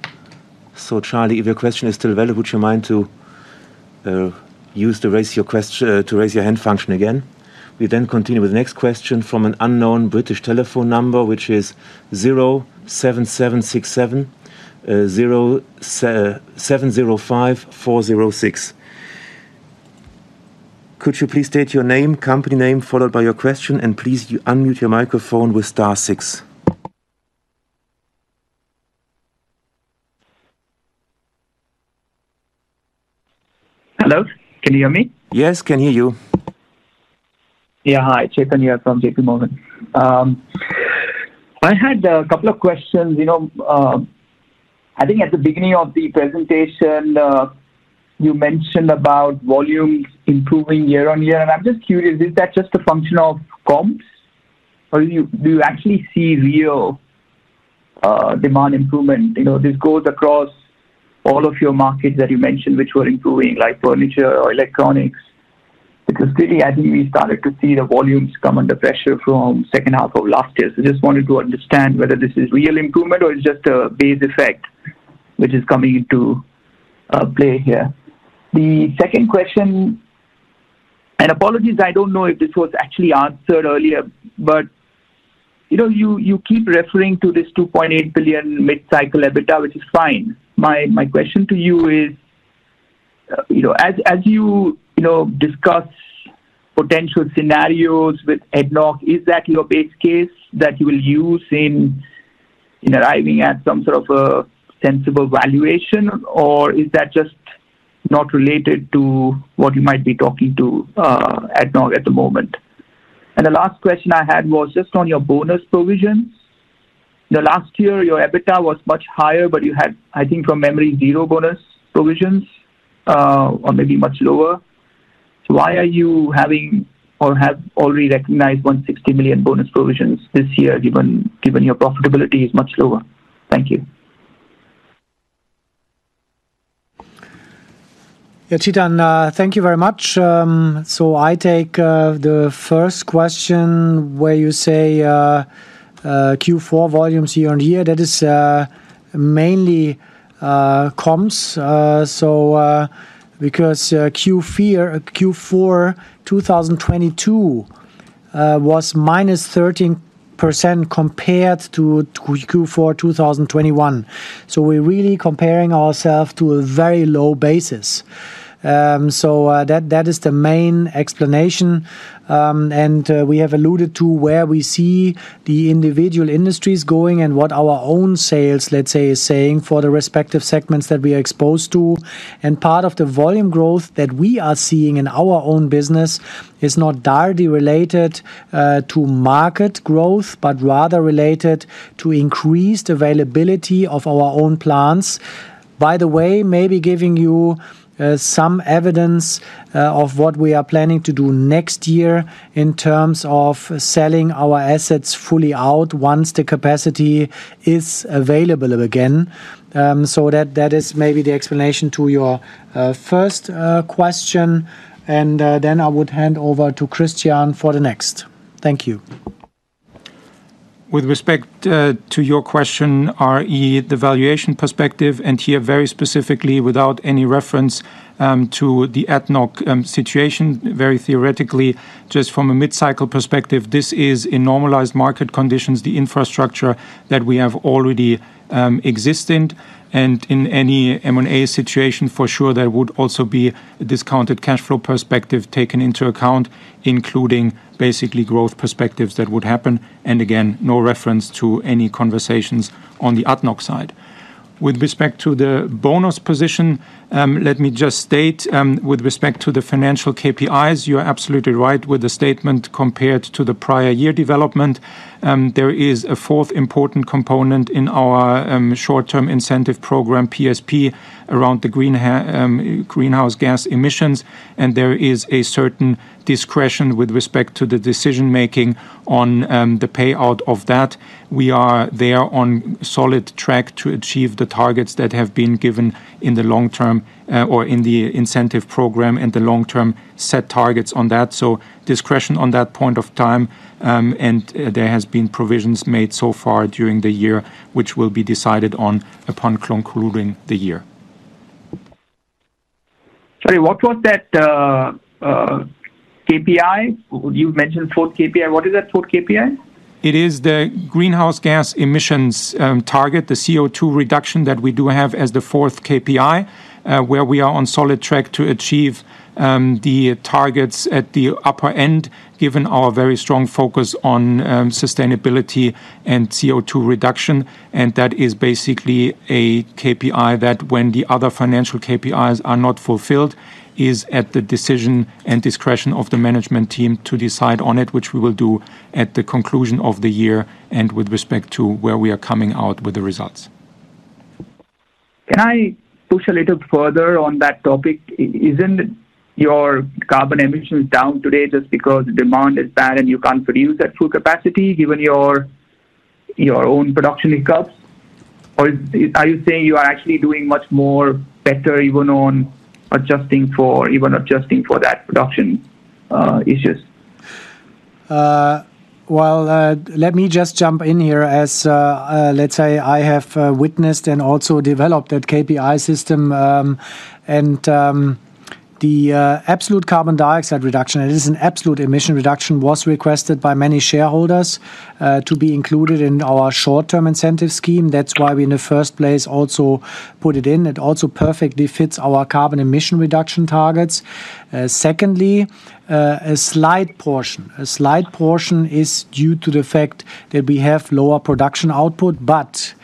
So Charlie, if your question is still relevant, would you mind to use the raise your hand function again? We then continue with the next question from an unknown British telephone number, which is 07767 075406. Could you please state your name, company name, followed by your question? And please, unmute your microphone with star six. Hello, can you hear me? Yes, can hear you. Yeah, hi, Chetan here from JPMorgan. I had a couple of questions. You know, I think at the beginning of the presentation, you mentioned about volumes improving year-on-year, and I'm just curious, is that just a function of comps, or do you actually see real demand improvement? You know, this goes across all of your markets that you mentioned, which were improving, like furniture or electronics. Because clearly, I think we started to see the volumes come under pressure from second half of last year. So just wanted to understand whether this is real improvement or it's just a base effect which is coming into play here. The second question, and apologies, I don't know if this was actually answered earlier, but, you know, you keep referring to this 2.8 billion mid-cycle EBITDA, which is fine. My question to you is, you know, as you know, discuss potential scenarios with ADNOC, is that your base case that you will use in arriving at some sort of a sensible valuation? Or is that just not related to what you might be talking to ADNOC at the moment? And the last question I had was just on your bonus provisions. The last year, your EBITDA was much higher, but you had, I think from memory, 0 bonus provisions, or maybe much lower. So why are you having or have already recognized 160 million bonus provisions this year, given your profitability is much lower? Thank you. Yeah, Chetan, thank you very much. So I take the first question where you say Q4 volumes year-on-year. That is mainly comps. So because Q3 or Q4 2022 was -13% compared to Q4 2021. So we're really comparing ourself to a very low basis. So that is the main explanation. And we have alluded to where we see the individual industries going and what our own sales, let's say, is saying for the respective segments that we are exposed to. And part of the volume growth that we are seeing in our own business is not directly related to market growth, but rather related to increased availability of our own plants. By the way, maybe giving you some evidence of what we are planning to do next year in terms of selling our assets fully out once the capacity is available again. So that, that is maybe the explanation to your first question, and then I would hand over to Christian for the next. Thank you. With respect to your question, re: the valuation perspective, and here very specifically, without any reference to the ADNOC situation, very theoretically, just from a mid-cycle perspective, this is in normalized market conditions, the infrastructure that we have already existent. And in any M&A situation, for sure there would also be a discounted cash flow perspective taken into account, including basically growth perspectives that would happen. And again, no reference to any conversations on the ADNOC side. With respect to the bonus position, let me just state, with respect to the financial KPIs, you are absolutely right with the statement compared to the prior year development. There is a fourth important component in our short-term incentive program, PSP, around the greenhouse gas emissions, and there is a certain discretion with respect to the decision-making on the payout of that. We are there on solid track to achieve the targets that have been given in the long term, or in the incentive program and the long-term set targets on that. So discretion on that point of time, and there has been provisions made so far during the year, which will be decided on upon concluding the year. Sorry, what was that KPI? You mentioned fourth KPI. What is that fourth KPI? It is the greenhouse gas emissions target, the CO2 reduction that we do have as the fourth KPI, where we are on solid track to achieve the targets at the upper end, given our very strong focus on sustainability and CO2 reduction. And that is basically a KPI that when the other financial KPIs are not fulfilled, is at the decision and discretion of the management team to decide on it, which we will do at the conclusion of the year and with respect to where we are coming out with the results. Can I push a little further on that topic? Isn't your carbon emissions down today just because demand is bad and you can't produce at full capacity, given your, your own production cuts? Or are you saying you are actually doing much more better, even on adjusting for-- even adjusting for that production, issues? Well, let me just jump in here as, let's say I have witnessed and also developed that KPI system. The absolute carbon dioxide reduction, it is an absolute emission reduction, was requested by many shareholders to be included in our short-term incentive scheme. That's why we, in the first place, also put it in. It also perfectly fits our carbon emission reduction targets. Secondly, a slight portion, a slight portion is due to the fact that we have lower production output, but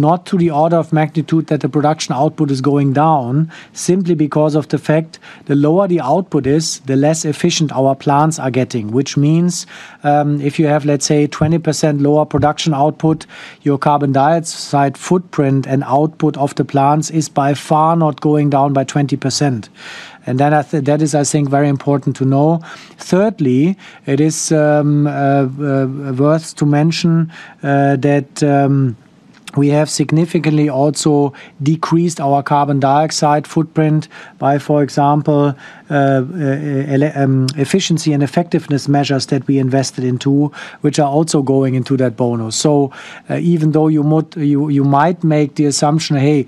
not to the order of magnitude that the production output is going down, simply because of the fact the lower the output is, the less efficient our plants are getting. Which means, if you have, let's say, 20% lower production output, your carbon dioxide footprint and output of the plants is by far not going down by 20%. And that is, I think, very important to know. Thirdly, it is worth to mention that we have significantly also decreased our carbon dioxide footprint by, for example, efficiency and effectiveness measures that we invested into, which are also going into that bonus. So, even though you might make the assumption, "Hey,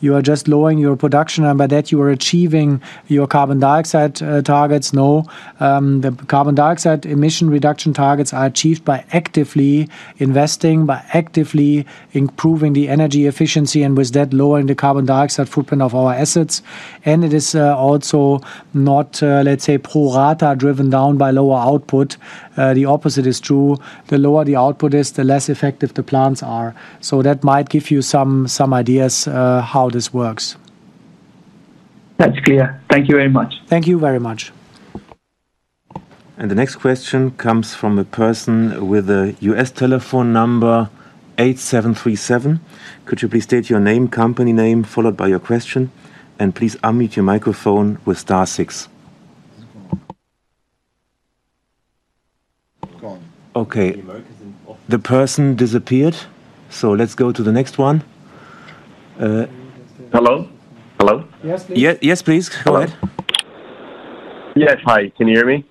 you're just lowering your production, and by that you are achieving your carbon dioxide targets." No, the carbon dioxide emission reduction targets are achieved by actively investing, by actively improving the energy efficiency, and with that, lowering the carbon dioxide footprint of our assets. It is also not, let's say, pro rata, driven down by lower output. The opposite is true. The lower the output is, the less effective the plants are. So that might give you some, some ideas how this works. That's clear. Thank you very much. Thank you very much. The next question comes from a person with a U.S. telephone number, eight-seven-three-seven. Could you please state your name, company name, followed by your question? And please unmute your microphone with star six. Okay, the person disappeared, so let's go to the next one. Hello? Hello? Yes, please. Yes, yes, please. Go ahead. Yes. Hi, can you hear me?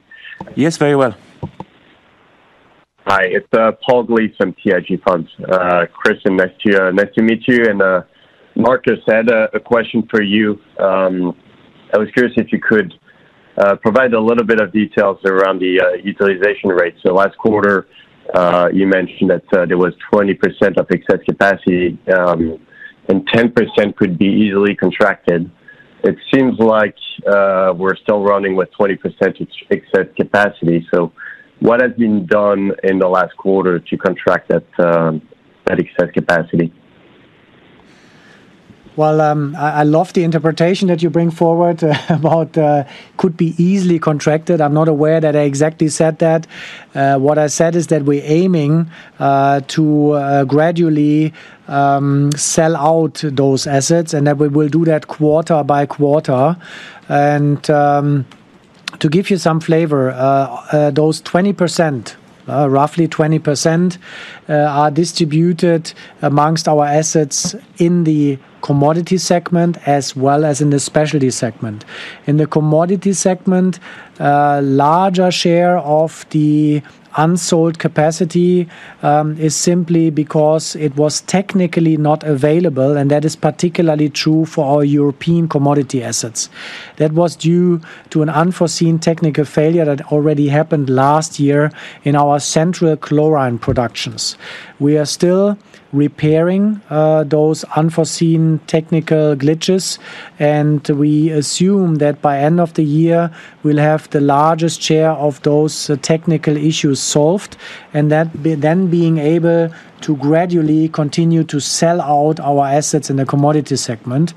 Yes, very well. Hi, it's Paul Gleeson from TIG Funds. Christian, nice to meet you, and Markus, I had a question for you. I was curious if you could provide a little bit of details around the utilization rate. So last quarter, you mentioned that there was 20% of excess capacity, and 10% could be easily contracted. It seems like we're still running with 20% excess capacity, so what has been done in the last quarter to contract that excess capacity? Well, I, I love the interpretation that you bring forward about could be easily contracted. I'm not aware that I exactly said that. What I said is that we're aiming to gradually sell out those assets, and that we will do that quarter by quarter. To give you some flavor, those 20%, roughly 20%, are distributed amongst our assets in the commodity segment as well as in the specialty segment. In the commodity segment, a larger share of the unsold capacity is simply because it was technically not available, and that is particularly true for our European commodity assets. That was due to an unforeseen technical failure that already happened last year in our central chlorine productions. We are still repairing those unforeseen technical glitches, and we assume that by end of the year, we'll have the largest share of those technical issues solved, and that then being able to gradually continue to sell out our assets in the commodity segment.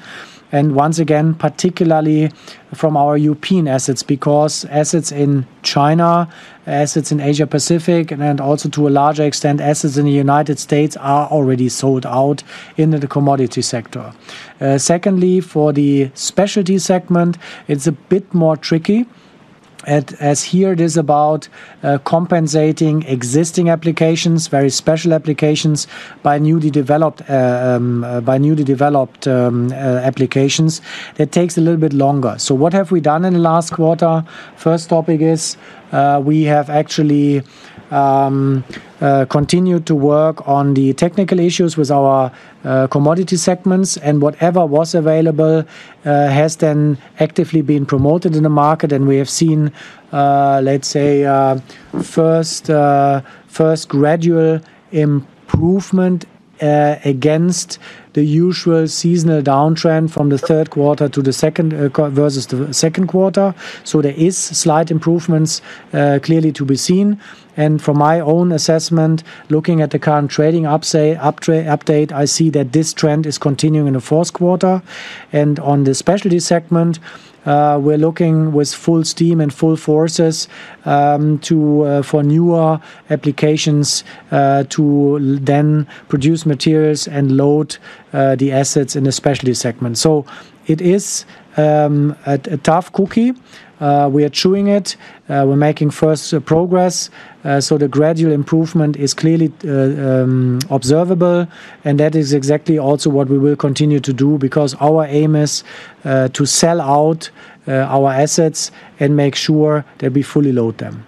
Once again, particularly from our European assets, because assets in China, assets in Asia Pacific, and then also, to a larger extent, assets in the United States are already sold out in the commodity sector. Secondly, for the specialty segment, it's a bit more tricky, as here it is about compensating existing applications, very special applications, by newly developed by newly developed applications. It takes a little bit longer. What have we done in the last quarter? First topic is, we have actually continued to work on the technical issues with our commodity segments, and whatever was available has then actively been promoted in the market. And we have seen, let's say, a first gradual improvement against the usual seasonal downtrend from the third quarter to the second quarter versus the second quarter. So there is slight improvements clearly to be seen. And from my own assessment, looking at the current trading update, I see that this trend is continuing in the fourth quarter. And on the specialty segment, we're looking with full steam and full forces to for newer applications to then produce materials and load the assets in the specialty segment. So it is a tough cookie. We are chewing it. We're making first progress, so the gradual improvement is clearly observable, and that is exactly also what we will continue to do because our aim is to sell out our assets and make sure that we fully load them.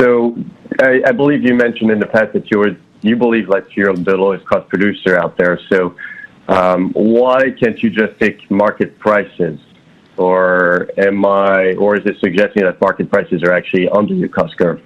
So, I believe you mentioned in the past that you believe like you're the lowest cost producer out there. So, why can't you just take market prices? Or am I or is this suggesting that market prices are actually under your cost curve?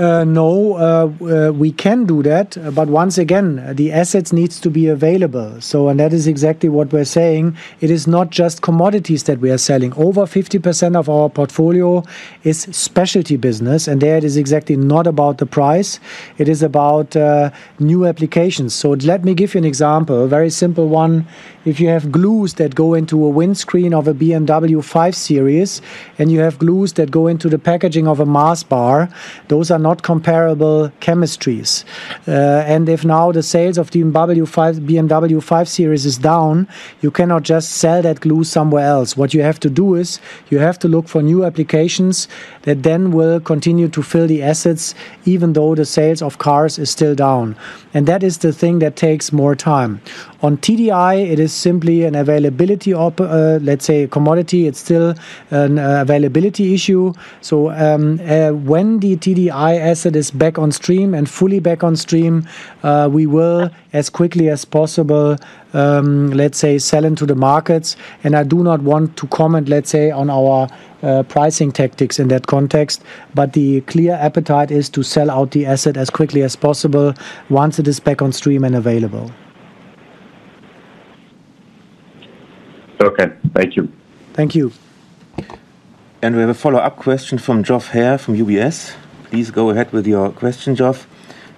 No, we can do that, but once again, the assets needs to be available. So and that is exactly what we're saying. It is not just commodities that we are selling. Over 50% of our portfolio is specialty business, and there it is exactly not about the price, it is about new applications. So let me give you an example, a very simple one. If you have glues that go into a windscreen of a BMW 5 Series, and you have glues that go into the packaging of a Mars bar, those are not comparable chemistries. And if now the sales of the BMW 5, BMW 5 Series is down, you cannot just sell that glue somewhere else. What you have to do is, you have to look for new applications that then will continue to fill the assets, even though the sales of cars is still down. That is the thing that takes more time. On TDI, it is simply an availability, let's say, commodity. It's still an availability issue. When the TDI asset is back on stream and fully back on stream, we will, as quickly as possible, sell into the markets. And I do not want to comment, let's say, on our pricing tactics in that context, but the clear appetite is to sell out the asset as quickly as possible once it is back on stream and available. Okay, thank you. Thank you. We have a follow-up question from Geoff Haire from UBS. Please go ahead with your question, Geoff,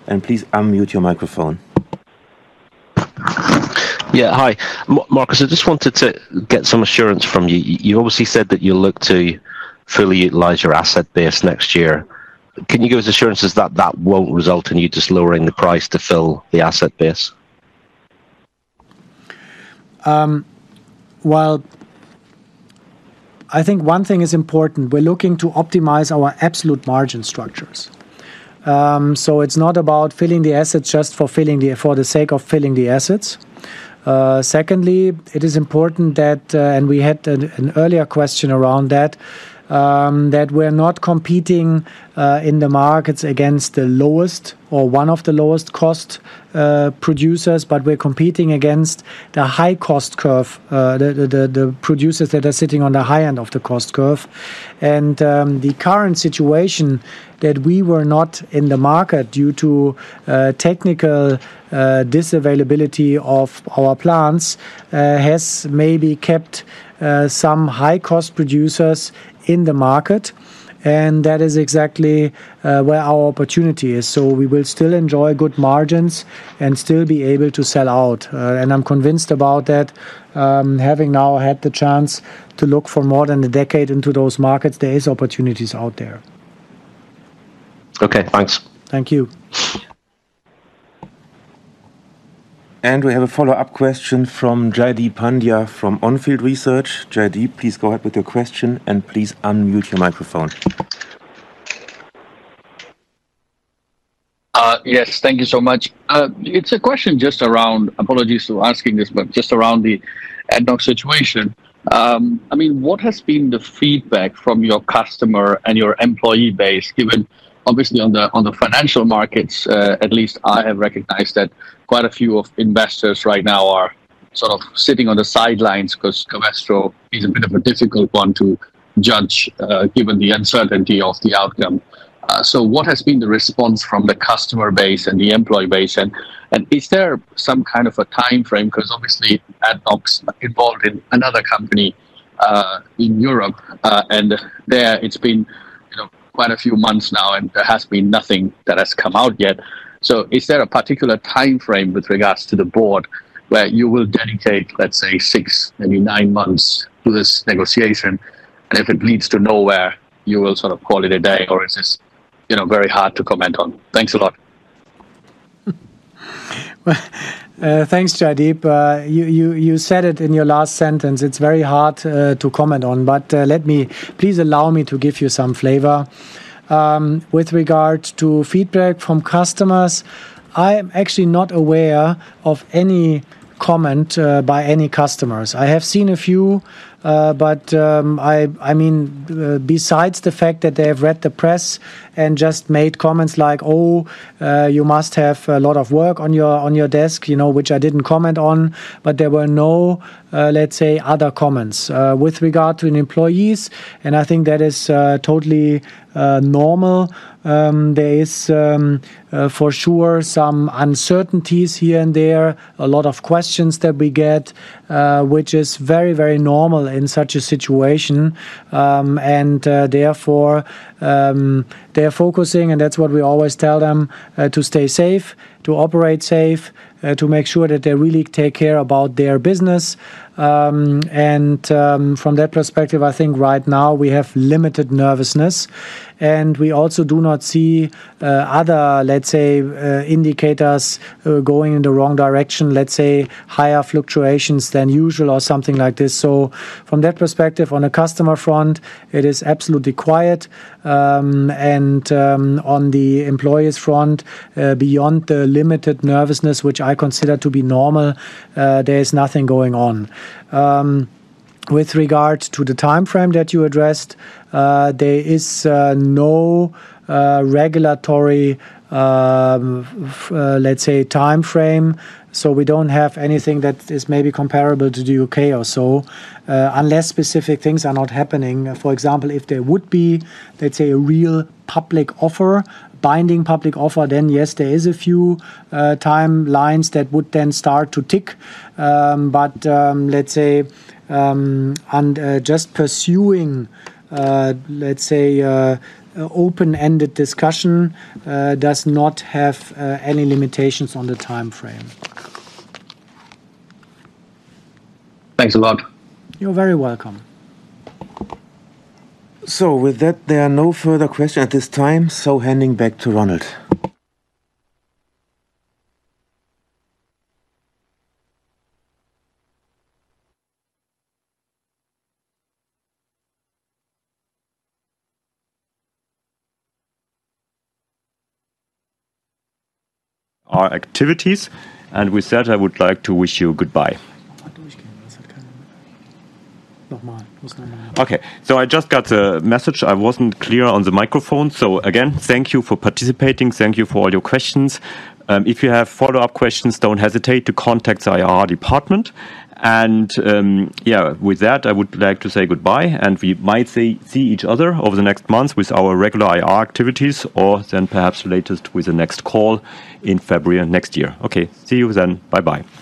and please unmute your microphone. Yeah, hi. Markus, I just wanted to get some assurance from you. You obviously said that you'll look to fully utilize your asset base next year. Can you give us assurances that that won't result in you just lowering the price to fill the asset base? Well, I think one thing is important, we're looking to optimize our absolute margin structures. It's not about filling the assets just for the sake of filling the assets. Secondly, it is important that, and we had an earlier question around that, that we're not competing in the markets against the lowest or one of the lowest cost producers, but we're competing against the high cost curve, the producers that are sitting on the high end of the cost curve. The current situation that we were not in the market due to technical unavailability of our plants has maybe kept some high-cost producers in the market, and that is exactly where our opportunity is. So we will still enjoy good margins and still be able to sell out, and I'm convinced about that. Having now had the chance to look for more than a decade into those markets, there is opportunities out there. Okay, thanks. Thank you. We have a follow-up question from Jaideep Pandya from Onfield Research. Jaideep, please go ahead with your question, and please unmute your microphone. Yes, thank you so much. It's a question just around... Apologies for asking this, but just around the ADNOC's situation. I mean, what has been the feedback from your customer and your employee base, given obviously on the, on the financial markets, at least I have recognized that quite a few of investors right now are sort of sitting on the sidelines because Covestro is a bit of a difficult one to judge, given the uncertainty of the outcome. So what has been the response from the customer base and the employee base, and, and is there some kind of a timeframe? 'Cause, obviously, ADNOC's involved in another company, in Europe, and there it's been, you know, quite a few months now, and there has been nothing that has come out yet. Is there a particular timeframe with regards to the board, where you will dedicate, let's say, 6, maybe 9 months to this negotiation, and if it leads to nowhere, you will sort of call it a day? Or is this, you know, very hard to comment on? Thanks a lot. Well, thanks, Jaideep. You said it in your last sentence. It's very hard to comment on, but let me please allow me to give you some flavor. With regards to feedback from customers, I am actually not aware of any comment by any customers. I have seen a few, but I mean, besides the fact that they have read the press and just made comments like, "Oh, you must have a lot of work on your desk," you know, which I didn't comment on, but there were no, let's say, other comments. With regard to the employees, and I think that is totally normal, there is for sure some uncertainties here and there, a lot of questions that we get, which is very, very normal in such a situation. And therefore, they are focusing, and that's what we always tell them, to stay safe, to operate safe, to make sure that they really take care about their business. And from that perspective, I think right now we have limited nervousness, and we also do not see other, let's say, indicators going in the wrong direction, let's say, higher fluctuations than usual or something like this. So from that perspective, on the customer front, it is absolutely quiet. On the employees front, beyond the limited nervousness, which I consider to be normal, there is nothing going on. With regards to the timeframe that you addressed, there is no regulatory, let's say, timeframe, so we don't have anything that is maybe comparable to the UK or so, unless specific things are not happening. For example, if there would be, let's say, a real public offer, binding public offer, then yes, there is a few timelines that would then start to tick. But, let's say, and, just pursuing, let's say, a open-ended discussion, does not have any limitations on the timeframe. Thanks a lot. You're very welcome. So with that, there are no further questions at this time, so handing back to Ronald.... Our activities, and with that, I would like to wish you goodbye. Okay, so I just got a message. I wasn't clear on the microphone. So again, thank you for participating, thank you for all your questions. If you have follow-up questions, don't hesitate to contact our IR department. And, yeah, with that, I would like to say goodbye, and we might see each other over the next months with our regular IR activities or then perhaps latest with the next call in February of next year. Okay, see you then. Bye-bye.